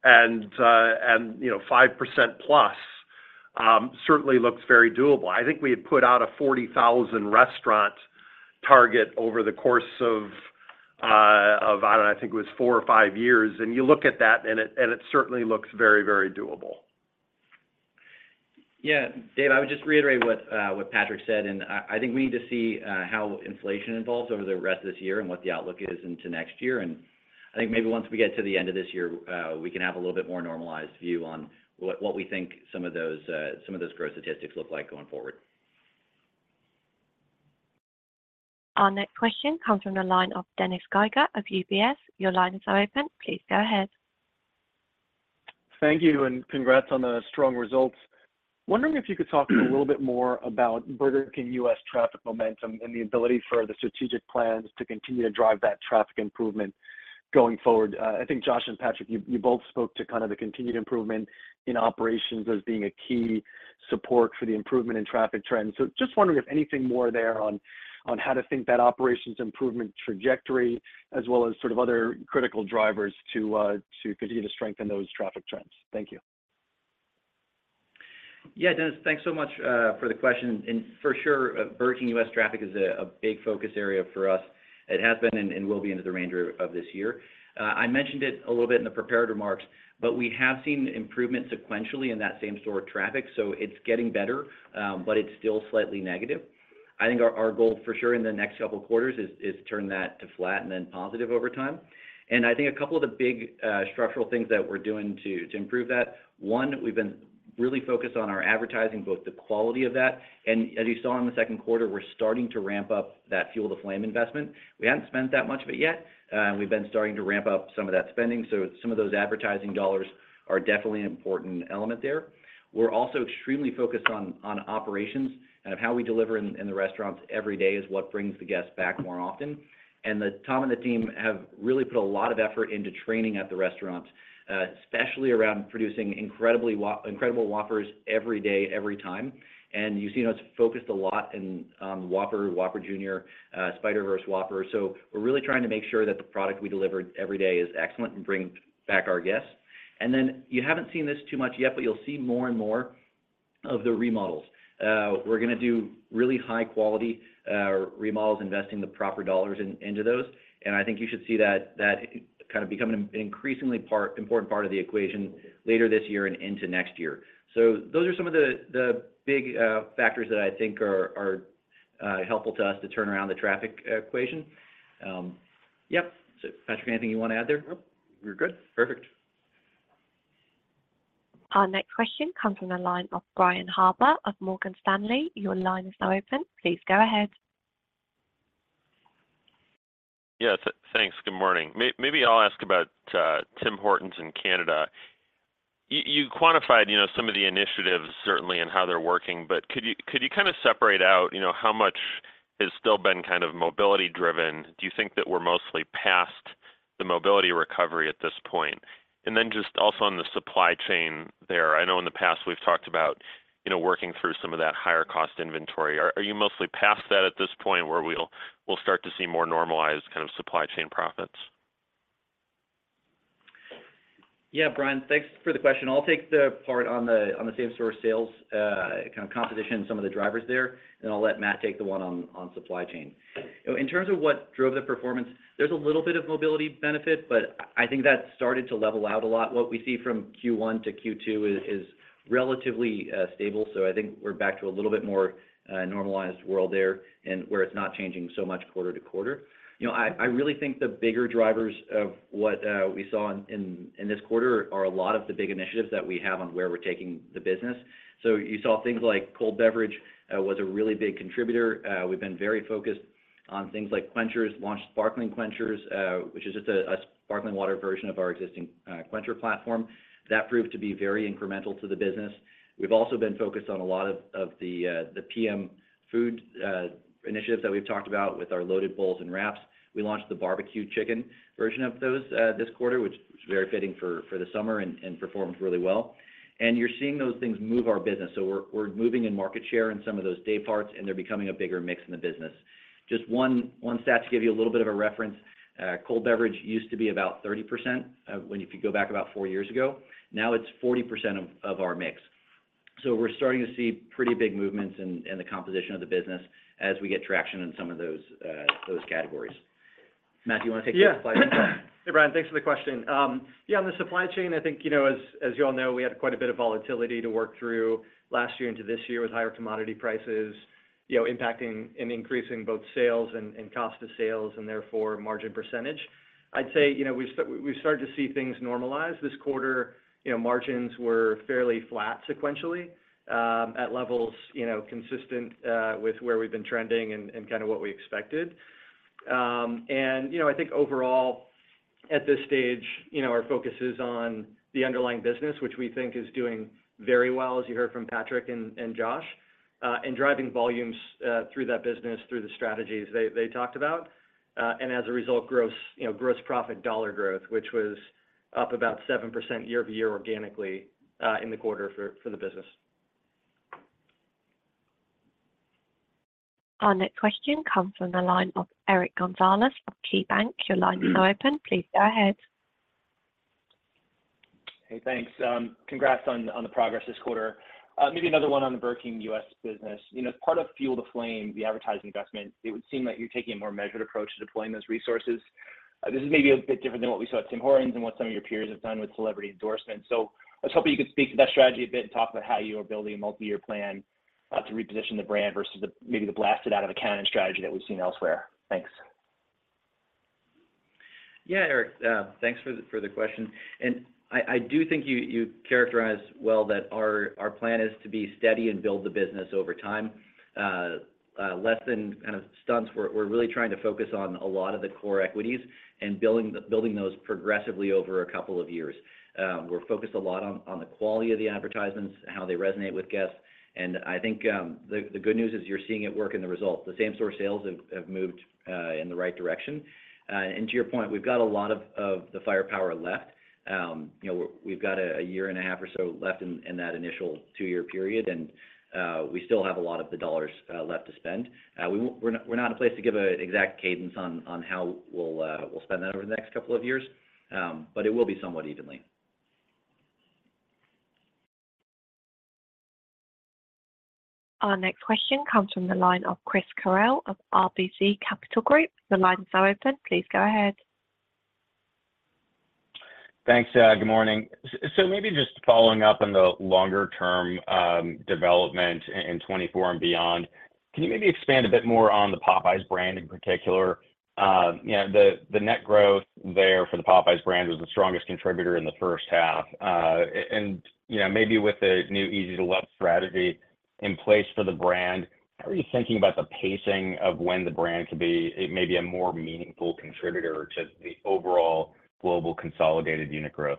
and, you know, 5% plus certainly looks very doable. I think we had put out a 40,000 restaurant target over the course of, of, I don't know, I think it was four or five years, and you look at that, and it, and it certainly looks very, very doable. Yeah. Dave, I would just reiterate what Patrick said. I think we need to see how inflation evolves over the rest of this year and what the outlook is into next year. I think maybe once we get to the end of this year, we can have a little bit more normalized view on what, what we think some of those, some of those growth statistics look like going forward. Our next question comes from the line of Dennis Geiger of UBS. Your lines are open. Please go ahead. Thank you, and congrats on the strong results. Wondering if you could talk a little bit more about Burger King U.S. traffic momentum and the ability for the strategic plans to continue to drive that traffic improvement going forward. I think Josh and Patrick, you, you both spoke to kind of the continued improvement in operations as being a key support for the improvement in traffic trends. Just wondering if anything more there on, on how to think that operations improvement trajectory, as well as sort of other critical drivers to continue to strengthen those traffic trends. Thank you. Yeah, Dennis, thanks so much for the question. For sure, Burger King U.S. traffic is a, a big focus area for us. It has been and, and will be into the range of, of this year. I mentioned it a little bit in the prepared remarks, but we have seen improvement sequentially in that same store traffic, so it's getting better, but it's still slightly negative. I think our goal for sure in the next couple quarters is, is to turn that to flat and then positive over time. I think a couple of the big, structural things that we're doing to, to improve that: one, we've been really focused on our advertising, both the quality of that, and as you saw in the second quarter, we're starting to ramp up that Fuel the Flame investment. We haven't spent that much of it yet, we've been starting to ramp up some of that spending. Some of those advertising dollars are definitely an important element there. We're also extremely focused on, on operations, and of how we deliver in, in the restaurants every day is what brings the guests back more often. Tom and the team have really put a lot of effort into training at the restaurants, especially around producing incredibly incredible Whoppers every day, every time. You've seen us focused a lot in Whopper, Whopper Jr., Spider-Verse Whopper. We're really trying to make sure that the product we deliver every day is excellent and brings back our guests. You haven't seen this too much yet, but you'll see more and more of the remodels. We're gonna do really high-quality remodels, investing the proper dollars in, into those. I think you should see that, that kind of becoming an increasingly part, important part of the equation later this year and into next year. Those are some of the big factors that I think are, are helpful to us to turn around the traffic equation. Yep. Patrick, anything you want to add there? Nope, we're good. Perfect. Our next question comes from the line of Brian Harbour of Morgan Stanley. Your line is now open. Please go ahead. Yes, thanks. Good morning. Maybe I'll ask about Tim Hortons in Canada. You, you quantified, you know, some of the initiatives, certainly, and how they're working, but could you, could you kind of separate out, you know, how much has still been kind of mobility driven? Do you think that we're mostly past the mobility recovery at this point? Then just also on the supply chain there, I know in the past we've talked about, you know, working through some of that higher cost inventory. Are, are you mostly past that at this point, where we'll, we'll start to see more normalized kind of supply chain profits? Yeah, Brian, thanks for the question. I'll take the part on the, on the same store sales, kind of composition and some of the drivers there, and I'll let Matt take the one on supply chain. In terms of what drove the performance, there's a little bit of mobility benefit, but I think that started to level out a lot. What we see from Q1 to Q2 is, is relatively stable, so I think we're back to a little bit more normalized world there, and where it's not changing so much quarter to quarter. You know, I really think the bigger drivers of what we saw in this quarter are a lot of the big initiatives that we have on where we're taking the business. So you saw things like cold beverage was a really big contributor. We've been very focused on things like Quenchers. Launched Sparkling Quenchers, which is just a, a sparkling water version of our existing Quenchers platform. That proved to be very incremental to the business. We've also been focused on a lot of the PM food initiatives that we've talked about with our Loaded Bowls and wraps. We launched the barbecue chicken version of those this quarter, which was very fitting for the summer and, and performed really well. You're seeing those things move our business, so we're moving in market share in some of those dayparts, and they're becoming a bigger mix in the business. Just one stat to give you a little bit of a reference, cold beverage used to be about 30%, if you go back about four years ago. It's 40% of, of our mix. We're starting to see pretty big movements in, in the composition of the business as we get traction in some of those, those categories. Matt, you want to take the supply chain? Yeah. Hey, Brian, thanks for the question. Yeah, on the supply chain, I think, you know, as, as you all know, we had quite a bit of volatility to work through last year into this year, with higher commodity prices, you know, impacting and increasing both sales and, and cost of sales, and therefore, margin percentage. I'd say, you know, we've started to see things normalize. This quarter, you know, margins were fairly flat sequentially, at levels, you know, consistent, with where we've been trending and, and kind of what we expected. You know, I think overall, at this stage, you know, our focus is on the underlying business, which we think is doing very well, as you heard from Patrick and, and Josh, and driving volumes, through that business, through the strategies they, they talked about. As a result, gross, you know, gross profit dollar growth, which was up about 7% year-over-year organically, in the quarter for the business. Our next question comes from the line of Eric Gonzalez of KeyBanc. Your line is now open. Please go ahead. Hey, thanks. Congrats on, on the progress this quarter. Maybe another one on the Burger King U.S. business. You know, as part of Fuel the Flame, the advertising investment, it would seem like you're taking a more measured approach to deploying those resources. This is maybe a bit different than what we saw at Tim Hortons and what some of your peers have done with celebrity endorsements. I was hoping you could speak to that strategy a bit and talk about how you are building a multi-year plan, to reposition the brand versus the, maybe the blasted out of the cannon strategy that we've seen elsewhere. Thanks. Yeah, Eric, thanks for the question. I, I do think you, you characterized well that our, our plan is to be steady and build the business over time. less than kind of stunts, we're really trying to focus on a lot of the core equities and building, building those progressively over a couple of years. We're focused a lot on the quality of the advertisements, how they resonate with guests, and I think, the good news is you're seeing it work in the results. The same store sales have moved, in the right direction. to your point, we've got a lot of the firepower left. you know, we've got a year and a half or so left in that initial two-year period, and-- We still have a lot of the dollars left to spend. We're not, we're not in a place to give a exact cadence on how we'll spend that over the next couple of years, but it will be somewhat evenly. Our next question comes from the line of Chris Carril of RBC Capital Markets. The lines are open, please go ahead. Thanks, good morning. Maybe just following up on the longer-term development in 2024 and beyond, can you maybe expand a bit more on the Popeyes brand in particular? You know, the net growth there for the Popeyes brand was the strongest contributor in the first half. You know, maybe with the new Easy to Love strategy in place for the brand, how are you thinking about the pacing of when the brand could be, maybe a more meaningful contributor to the overall global consolidated unit growth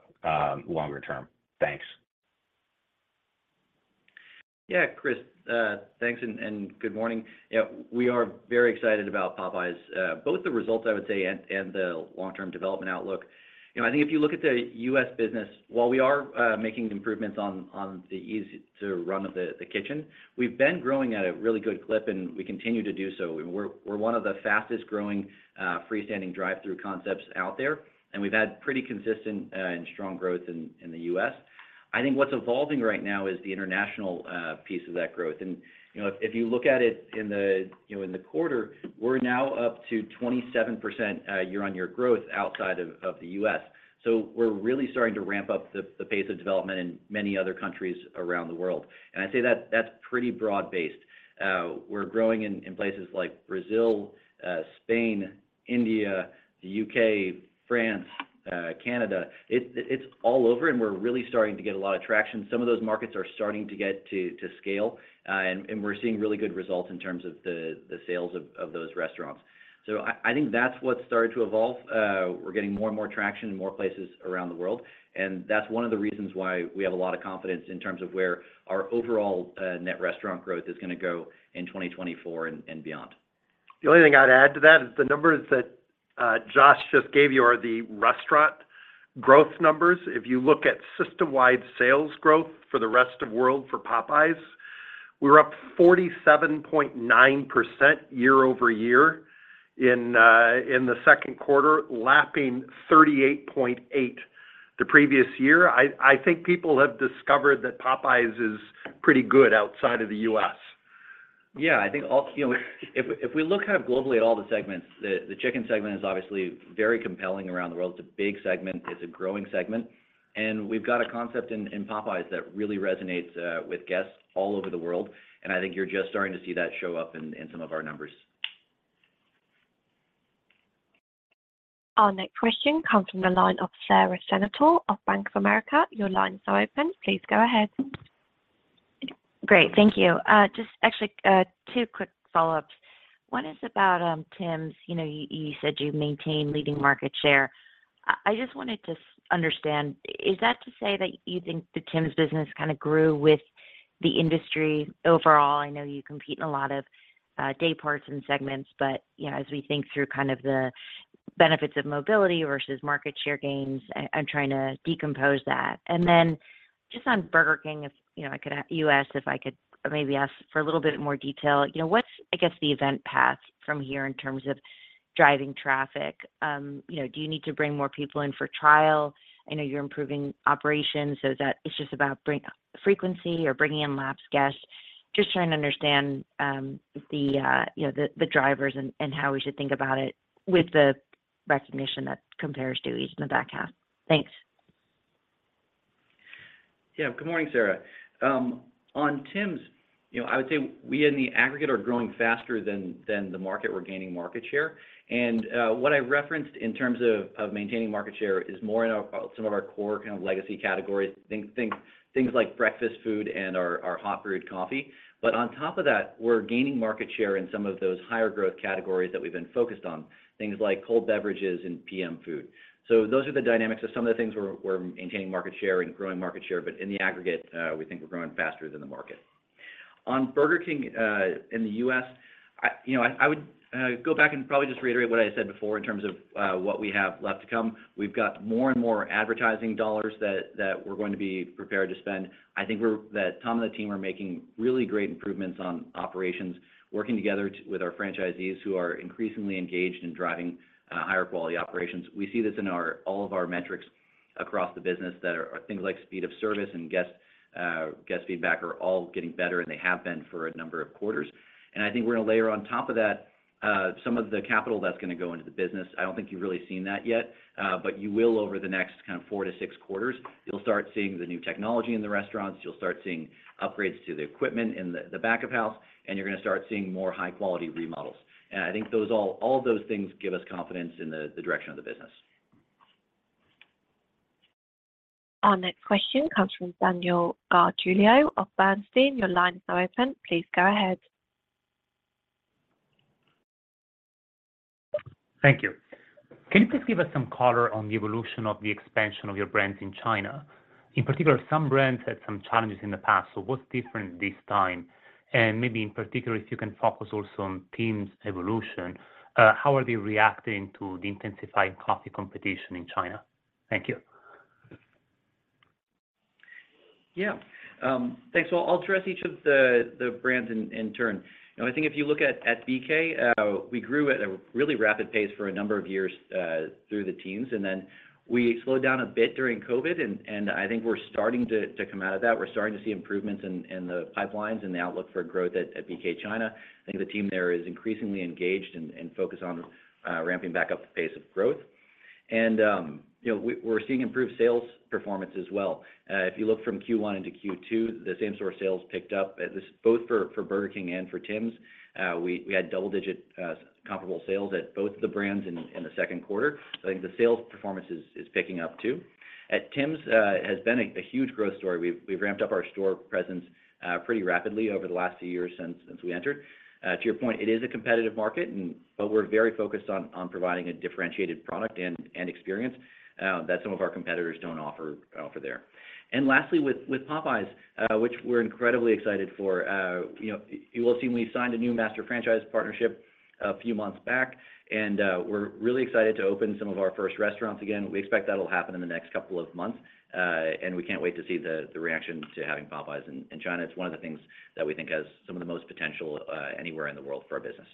longer term? Thanks. Yeah, Chris, thanks, and good morning. Yeah, we are very excited about Popeyes', both the results, I would say, and the long-term development outlook. You know, I think if you look at the U.S. business, while we are making improvements on, on the easy-to-run of the, the kitchen, we've been growing at a really good clip, and we continue to do so. We're, we're one of the fastest growing, freestanding drive-thru concepts out there, and we've had pretty consistent and strong growth in the U.S. I think what's evolving right now is the international piece of that growth. And, you know, if you look at it in the, you know, in the quarter, we're now up to 27% year-on-year growth outside of, of the U.S. We're really starting to ramp up the pace of development in many other countries around the world. I'd say that's pretty broad-based. We're growing in places like Brazil, Spain, India, the U.K., France, Canada. It's all over, and we're really starting to get a lot of traction. Some of those markets are starting to get to scale, and we're seeing really good results in terms of the sales of those restaurants. I think that's what's started to evolve. We're getting more and more traction in more places around the world, and that's one of the reasons why we have a lot of confidence in terms of where our overall net restaurant growth is gonna go in 2024 and beyond. The only thing I'd add to that is the numbers that, Josh just gave you are the restaurant growth numbers. If you look at system-wide sales growth for the rest of world for Popeyes, we're up 47.9% year over year in the second quarter, lapping 38.8% the previous year. I think people have discovered that Popeyes is pretty good outside of the U.S. Yeah, I think all-- You know, if we look kind of globally at all the segments, the chicken segment is obviously very compelling around the world. It's a big segment, it's a growing segment, and we've got a concept in, in Popeyes that really resonates with guests all over the world, and I think you're just starting to see that show up in some of our numbers. Our next question comes from the line of Sara Senatore of Bank of America. Your lines are open, please go ahead. Great. Thank you. Just actually, two quick follow-ups. One is about, Tim's. You know, you said you maintain leading market share. I just wanted to understand, is that to say that you think the Tim's business kinda grew with the industry overall? I know you compete in a lot of day parts and segments, but, you know, as we think through kind of the benefits of mobility versus market share gains, I'm trying to decompose that. Then, just on Burger King, if, you know, I could a- you ask, if I could maybe ask for a little bit more detail. You know, what's, I guess, the event path from here in terms of driving traffic? You know, do you need to bring more people in for trial? I know you're improving operations, so is that it's just about frequency or bringing in lapsed guests? Just trying to understand, you know, the drivers and, and how we should think about it with the recognition that compares to ease in the back half. Thanks. Yeah. Good morning, Sarah. On Tim's, you know, I would say we in the aggregate are growing faster than, than the market. We're gaining market share. What I referenced in terms of maintaining market share is more in our some of our core kind of legacy categories, things like breakfast food and our hot brewed coffee. On top of that, we're gaining market share in some of those higher growth categories that we've been focused on, things like cold beverages and PM food. Those are the dynamics of some of the things we're maintaining market share and growing market share, but in the aggregate, we think we're growing faster than the market. On Burger King in the U.S., you know, I would go back and probably just reiterate what I said before in terms of what we have left to come. We've got more and more advertising dollars that we're going to be prepared to spend. I think that Tom and the team are making really great improvements on operations, working together with our franchisees, who are increasingly engaged in driving higher quality operations. We see this in our, all of our metrics across the business, that are things like speed of service and guest feedback are all getting better, and they have been for a number of quarters. I think we're gonna layer on top of that some of the capital that's gonna go into the business. I don't think you've really seen that yet, but you will over the next kind of four to six quarters. You'll start seeing the new technology in the restaurants. You'll start seeing upgrades to the equipment in the, the back of house, and you're gonna start seeing more high-quality remodels. I think all of those things give us confidence in the direction of the business. Our next question comes from Danilo Gargiulo of Bernstein. Your line is now open. Please go ahead. Thank you. Can you please give us some color on the evolution of the expansion of your brands in China? In particular, some brands had some challenges in the past, so what's different this time? Maybe in particular, if you can focus also on Tim's evolution, how are they reacting to the intensified coffee competition in China? Thank you. Yeah, thanks. Well, I'll address each of the, the brands in, in turn. You know, I think if you look at, at BK, we grew at a really rapid pace for a number of years through the teens, and then we slowed down a bit during COVID, and I think we're starting to, to come out of that. We're starting to see improvements in the pipelines and the outlook for growth at, at BK China. I think the team there is increasingly engaged and, and focused on ramping back up the pace of growth. You know, we're seeing improved sales performance as well. If you look from Q1 into Q2, the same store sales picked up, this both for Burger King and for Tims. We, we had double-digit comparable sales at both of the brands in, in the second quarter. I think the sales performance is, is picking up, too. At Tims has been a huge growth story. We've, we've ramped up our store presence pretty rapidly over the last few years since, since we entered. To your point, it is a competitive market. We're very focused on, on providing a differentiated product and, and experience that some of our competitors don't offer there. Lastly, with, with Popeyes, which we're incredibly excited for, you know, you will see we signed a new master franchise partnership a few months back, and we're really excited to open some of our first restaurants again. We expect that'll happen in the next couple of months, and we can't wait to see the, the reaction to having Popeyes in China. It's one of the things that we think has some of the most potential, anywhere in the world for our business.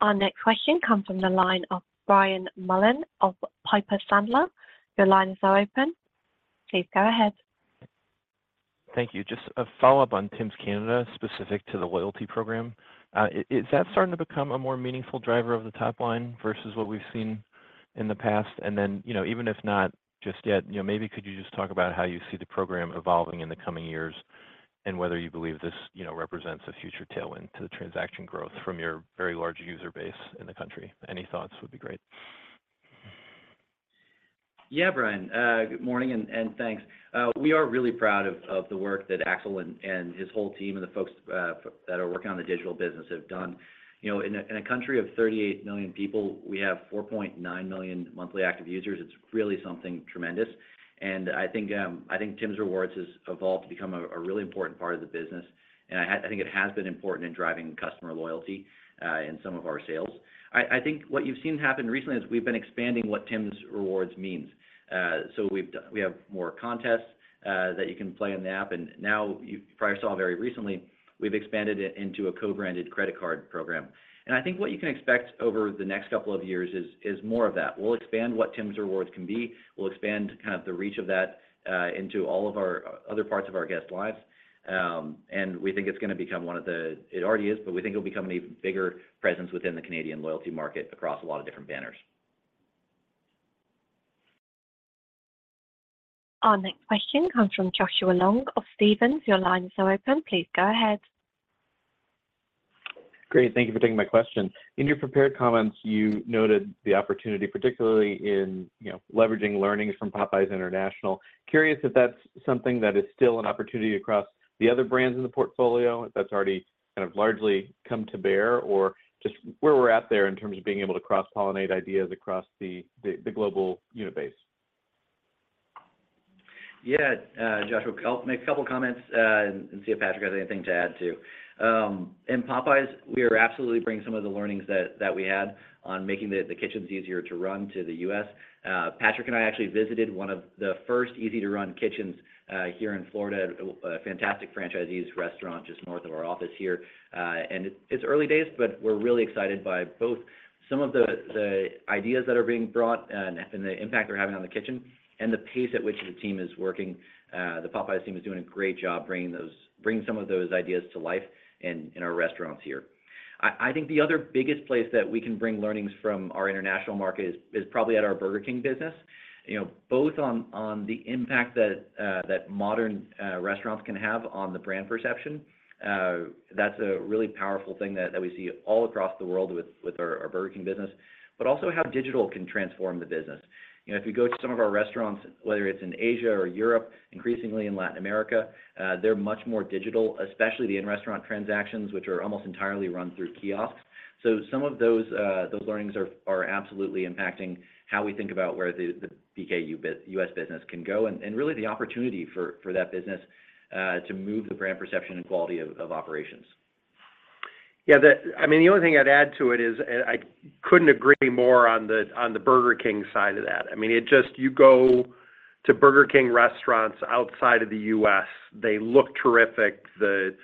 Our next question comes from the line of Brian Mullan of Piper Sandler. Your line is now open. Please go ahead. Thank you. Just a follow-up on Tims Canada, specific to the loyalty program. Is, is that starting to become a more meaningful driver of the top line versus what we've seen in the past? And then, you know, even if not just yet, you know, maybe could you just talk about how you see the program evolving in the coming years, and whether you believe this, you know, represents a future tailwind to the transaction growth from your very large user base in the country? Any thoughts would be great. Yeah, Brian, good morning and, and thanks. We are really proud of, of the work that Axel and, and his whole team, and the folks, that are working on the digital business have done. You know, in a, in a country of 38 million people, we have 4.9 million monthly active users. It's really something tremendous, and I think, I think Tims Rewards has evolved to become a really important part of the business. I think it has been important in driving customer loyalty, in some of our sales. I think what you've seen happen recently is we've been expanding what Tims Rewards means. We have more contests, that you can play on the app, and now you probably saw very recently, we've expanded it into a co-branded credit card program. I think what you can expect over the next couple of years is, is more of that. We'll expand what Tims Rewards can be. We'll expand kind of the reach of that into all of our other parts of our guests' lives. We think it's gonna become one of the-- It already is, but we think it'll become an even bigger presence within the Canadian loyalty market across a lot of different banners. Our next question comes from Joshua Long of Stephens. Your line is now open. Please go ahead. Great, thank you for taking my question. In your prepared comments, you noted the opportunity, particularly in, you know, leveraging learnings from Popeyes International. Curious if that's something that is still an opportunity across the other brands in the portfolio, if that's already kind of largely come to bear, or just where we're at there in terms of being able to cross-pollinate ideas across the, the, the global unit base? Yeah, Joshua, I'll make a couple comments, and, and see if Patrick has anything to add, too. In Popeyes, we are absolutely bringing some of the learnings that, that we had on making the, the kitchens easier to run to the U.S. Patrick and I actually visited one of the first easy-to-run kitchens, here in Florida, a, a fantastic franchisee's restaurant just north of our office here. And it's early days, but we're really excited by both some of the, the ideas that are being brought, and, and the impact they're having on the kitchen, and the pace at which the team is working. The Popeyes team is doing a great job bringing those bringing some of those ideas to life in, in our restaurants here. I think the other biggest place that we can bring learnings from our international market is, is probably at our Burger King business. You know, both on, on the impact that modern restaurants can have on the brand perception, that's a really powerful thing that, that we see all across the world with, with our, our Burger King business, but also how digital can transform the business. You know, if you go to some of our restaurants, whether it's in Asia or Europe, increasingly in Latin America, they're much more digital, especially the in-restaurant transactions, which are almost entirely run through kiosks. Some of those, those learnings are absolutely impacting how we think about where the BK U.S. business can go, and really the opportunity for, for that business to move the brand perception and quality of operations. I mean, the only thing I'd add to it is, and I couldn't agree more on the, on the Burger King side of that. You go to Burger King restaurants outside of the U.S., they look terrific. The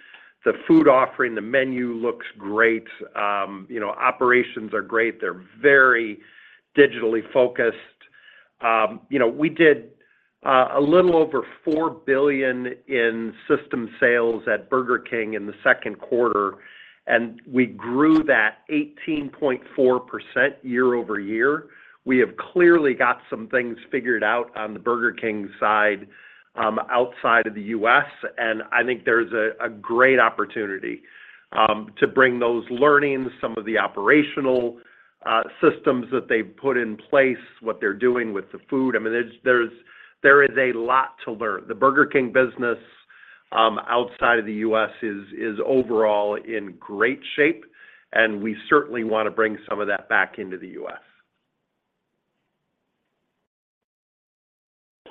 food offering, the menu looks great. You know, operations are great. They're very digitally focused. You know, we did a little over $4 billion in system sales at Burger King in the second quarter, and we grew that 18.4% year-over-year. We have clearly got some things figured out on the Burger King side, outside of the U.S., and I think there's a great opportunity to bring those learnings, some of the operational systems that they've put in place, what they're doing with the food. I mean, there is a lot to learn. The Burger King business outside of the U.S. is overall in great shape, and we certainly want to bring some of that back into the U.S.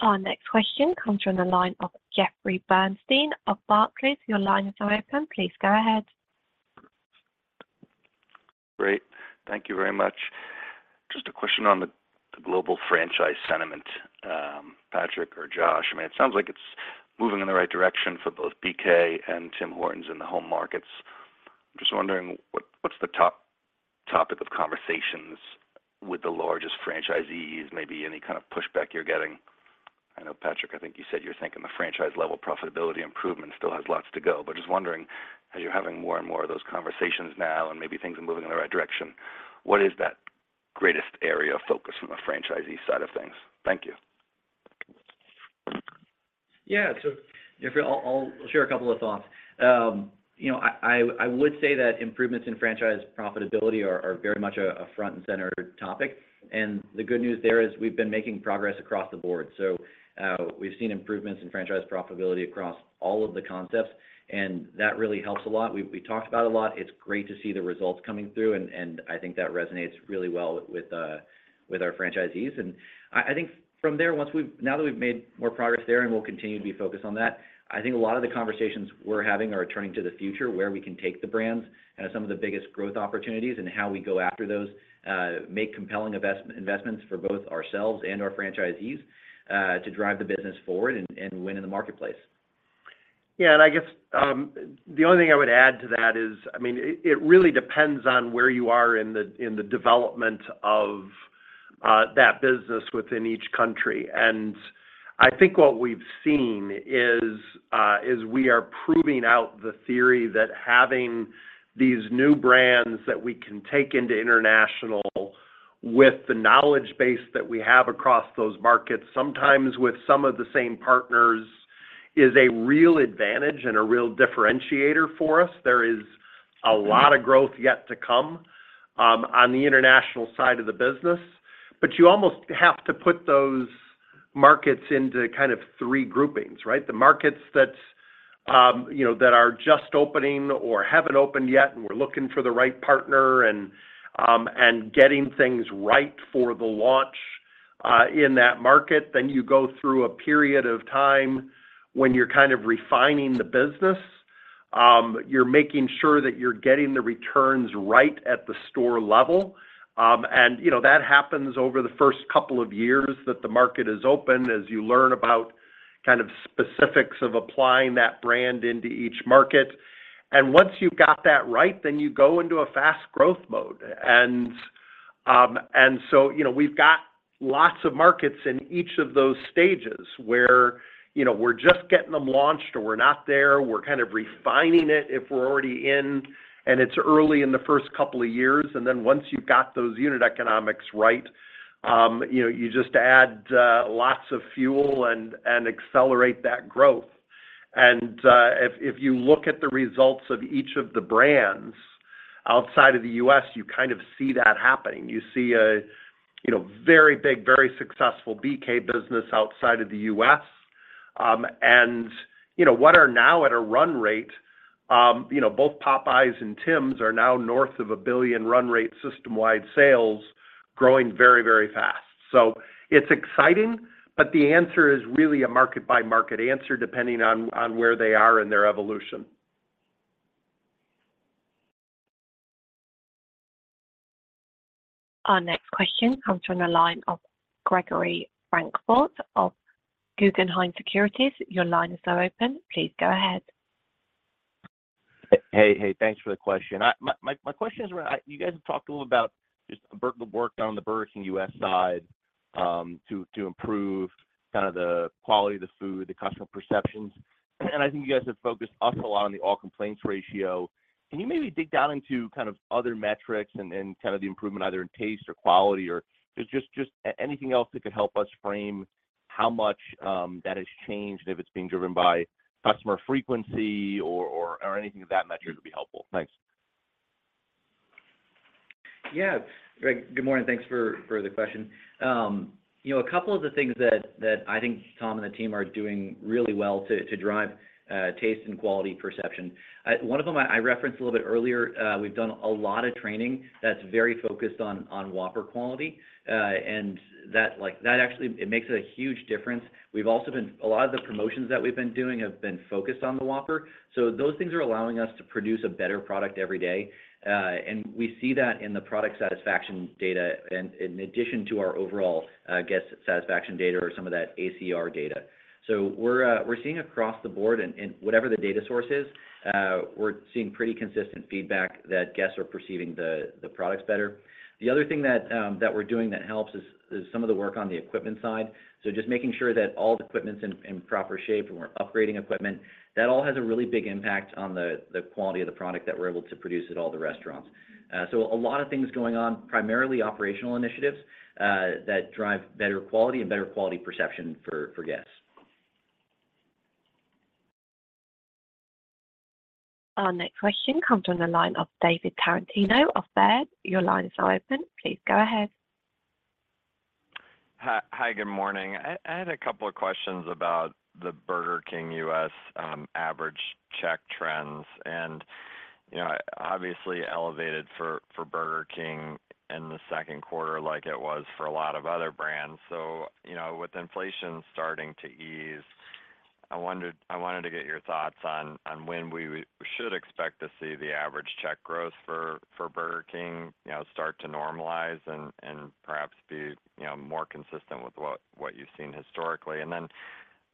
Our next question comes from the line of Jeffrey Bernstein of Barclays. Your line is now open. Please go ahead. Great. Thank you very much. Just a question on the, the global franchise sentiment, Patrick or Josh. I mean, it sounds like it's moving in the right direction for both BK and Tim Hortons in the home markets. I'm just wondering what, what's the top topic of conversations with the largest franchisees, maybe any kind of pushback you're getting? I know, Patrick, I think you said you're thinking the franchise level profitability improvement still has lots to go. But just wondering, as you're having more and more of those conversations now, and maybe things are moving in the right direction, what is that greatest area of focus from a franchisee side of things? Thank you. Yeah. If I'll share a couple of thoughts. You know, I would say that improvements in franchise profitability are very much a front and center topic. The good news there is we've been making progress across the board. We've seen improvements in franchise profitability across all of the concepts, and that really helps a lot. We talked about a lot. It's great to see the results coming through, and I think that resonates really well with our franchisees. I think from there, once we've now that we've made more progress there, and we'll continue to be focused on that, I think a lot of the conversations we're having are turning to the future, where we can take the brands as some of the biggest growth opportunities, and how we go after those, make compelling investments for both ourselves and our franchisees, to drive the business forward and, and win in the marketplace. Yeah, I guess, the only thing I would add to that is, I mean, it, it really depends on where you are in the, in the development of, that business within each country. I think what we've seen is, is we are proving out the theory that having these new brands that we can take into international with the knowledge base that we have across those markets, sometimes with some of the same partners, is a real advantage and a real differentiator for us. There is a lot of growth yet to come, on the international side of the business. You almost have to put those markets into kind of three groupings, right? The markets that, you know, that are just opening or haven't opened yet, and we're looking for the right partner, and getting things right for the launch in that market. You go through a period of time when you're kind of refining the business. You're making sure that you're getting the returns right at the store level. That happens over the first couple of years that the market is open, as you learn about kind of specifics of applying that brand into each market. Once you've got that right, you go into a fast growth mode. So, you know, we've got lots of markets in each of those stages where, you know, we're just getting them launched or we're not there. We're kind of refining it if we're already in. It's early in the first couple of years. Once you've got those unit economics right, you know, you just add lots of fuel and, and accelerate that growth. If, if you look at the results of each of the brands outside of the U.S., you kind of see that happening. You see a, you know, very big, very successful BK business outside of the U.S. You know, what are now at a run rate, you know, both Popeyes and Tims are now north of $1 billion run rate system-wide sales, growing very, very fast. It's exciting, but the answer is really a market-by-market answer, depending on, on where they are in their evolution. Our next question comes from the line of Gregory Francfort of Guggenheim Securities. Your line is now open. Please go ahead. Hey, hey, thanks for the question. My question is around, you guys have talked a little about just the work down the Burger King U.S. side, to, to improve kind of the quality of the food, the customer perceptions, and I think you guys have focused also a lot on the all complaints ratio. Can you maybe dig down into kind of other metrics and, and kind of the improvement either in taste or quality, or just anything else that could help us frame how much that has changed, and if it's being driven by customer frequency or anything of that nature would be helpful? Thanks. Yeah. Greg, good morning. Thanks for, for the question. You know, a couple of the things that, that I think Tom and the team are doing really well to, to drive taste and quality perception. One of them I referenced a little bit earlier, we've done a lot of training that's very focused on Whopper quality, and that, like, that actually, it makes a huge difference. A lot of the promotions that we've been doing have been focused on the Whopper. Those things are allowing us to produce a better product every day. And we see that in the product satisfaction data and in addition to our overall guest satisfaction data or some of that ACR data. We're seeing across the board and whatever the data source is, we're seeing pretty consistent feedback that guests are perceiving the, the products better. The other thing that, that we're doing that helps is, is some of the work on the equipment side. Just making sure that all the equipment's in, in proper shape and we're upgrading equipment. That all has a really big impact on the, the quality of the product that we're able to produce at all the restaurants. A lot of things going on, primarily operational initiatives, that drive better quality and better quality perception for guests. Our next question comes from the line of David Tarantino of Baird. Your line is now open. Please go ahead. Hi. Hi, good morning. I had a couple of questions about the Burger King U.S. average check trends. You know, obviously elevated for, for Burger King in the second quarter like it was for a lot of other brands. You know, with inflation starting to ease. I wondered, I wanted to get your thoughts on, on when we, we should expect to see the average check growth for, for Burger King, you know, start to normalize and, and perhaps be, you know, more consistent with what, what you've seen historically?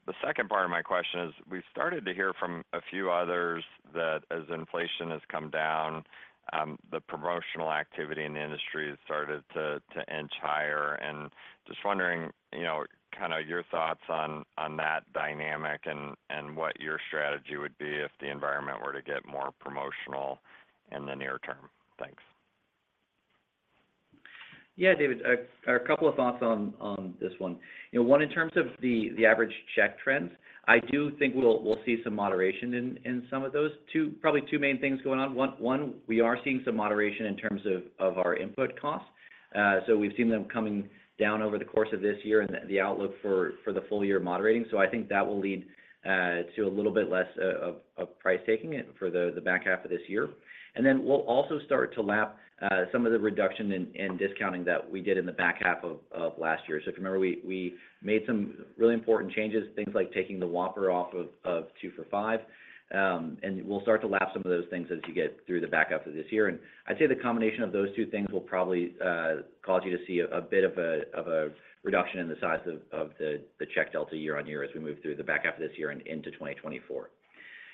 The second part of my question is: we've started to hear from a few others that as inflation has come down, the promotional activity in the industry has started to inch higher. Just wondering, you know, kinda your thoughts on, on that dynamic and, and what your strategy would be if the environment were to get more promotional in the near term. Thanks. Yeah, David, a couple of thoughts on this one. You know, one, in terms of the, the average check trends, I do think we'll see some moderation in, in some of those. two- probably two main things going on. one, we are seeing some moderation in terms of our input costs. We've seen them coming down over the course of this year, and the, the outlook for the full year moderating. I think that will lead to a little bit less of price taking it for the, the back half of this year. Then we'll also start to lap some of the reduction in, in discounting that we did in the back half of last year. If you remember, we, we made some really important changes, things like taking the Whopper off of $2 for $5. We'll start to lap some of those things as you get through the back half of this year. I'd say the combination of those two things will probably cause you to see a, a bit of a, of a reduction in the size of, of the, the check delta year-on-year as we move through the back half of this year and into 2024.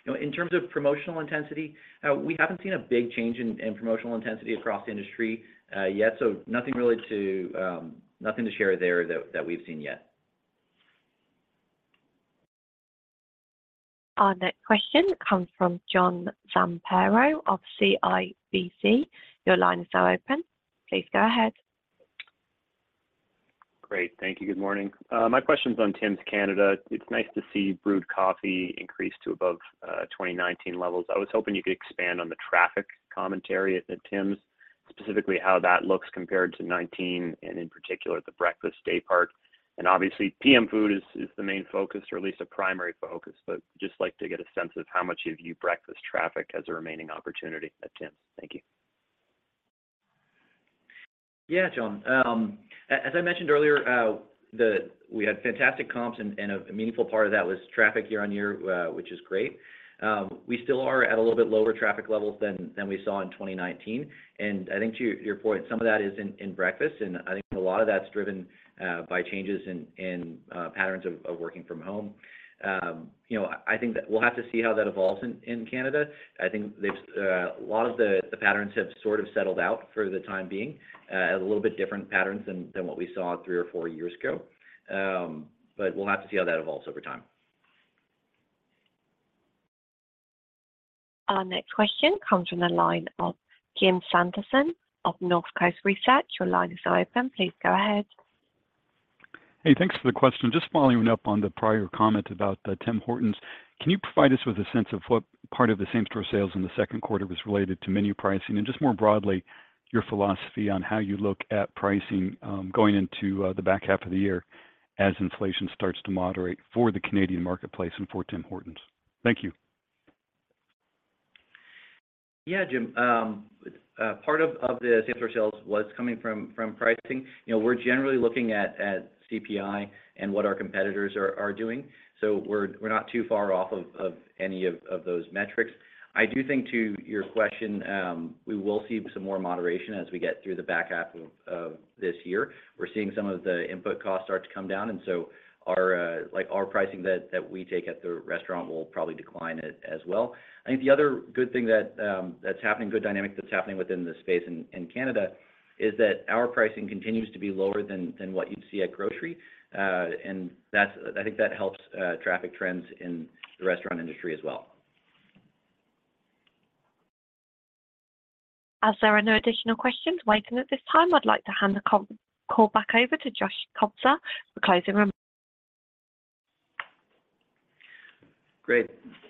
You know, in terms of promotional intensity, we haven't seen a big change in, in promotional intensity across the industry, yet, so nothing really to nothing to share there that, that we've seen yet. Our next question comes from John Zamparo of CIBC. Your line is now open. Please go ahead. Great. Thank you, good morning. My question's on Tims Canada. It's nice to see brewed coffee increase to above 2019 levels. I was hoping you could expand on the traffic commentary at the Tims, specifically how that looks compared to 2019, and in particular, the breakfast day part. Obviously, PM food is the main focus, or at least a primary focus, but just like to get a sense of how much of your breakfast traffic has a remaining opportunity at Tims. Thank you. Yeah, John. As I mentioned earlier, we had fantastic comps, and a meaningful part of that was traffic year-over-year, which is great. We still are at a little bit lower traffic levels than we saw in 2019. I think to your point, some of that is in breakfast, and I think a lot of that's driven by changes in patterns of working from home. You know, I think that we'll have to see how that evolves in Canada. I think there's a lot of the patterns have sort of settled out for the time being, as a little bit different patterns than what we saw three or four years ago. We'll have to see how that evolves over time. Our next question comes from the line of Jim Sanderson of Northcoast Research. Your line is now open. Please go ahead. Hey, thanks for the question. Just following up on the prior comment about the Tim Hortons, can you provide us with a sense of what part of the same store sales in the second quarter was related to menu pricing? Just more broadly, your philosophy on how you look at pricing, going into the back half of the year as inflation starts to moderate for the Canadian marketplace and for Tim Hortons. Thank you. Yeah, Jim. Part of, of the same store sales was coming from, from pricing. You know, we're generally looking at CPI and what our competitors are, are doing, so we're, we're not too far off of any of those metrics. I do think, to your question, we will see some more moderation as we get through the back half of this year. We're seeing some of the input costs start to come down, and so our, like, our pricing that, that we take at the restaurant will probably decline as well. I think the other good thing that, that's happening, good dynamic that's happening within the space in Canada is that our pricing continues to be lower than, than what you'd see at grocery. I think that helps traffic trends in the restaurant industry as well. As there are no additional questions waiting at this time, I'd like to hand the call back over to Joshua Kobza for closing remarks. Great.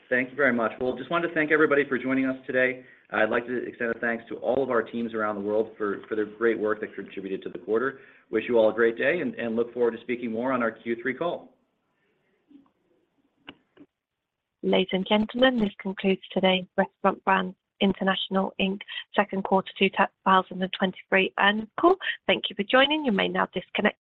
Thank you very much. Well, just wanted to thank everybody for joining us today. I'd like to extend a thanks to all of our teams around the world for their great work that contributed to the quarter. Wish you all a great day, and look forward to speaking more on our Q3 call. Ladies and gentlemen, this concludes today's Restaurant Brands International Inc's second quarter 2023 annual call. Thank you for joining. You may now disconnect.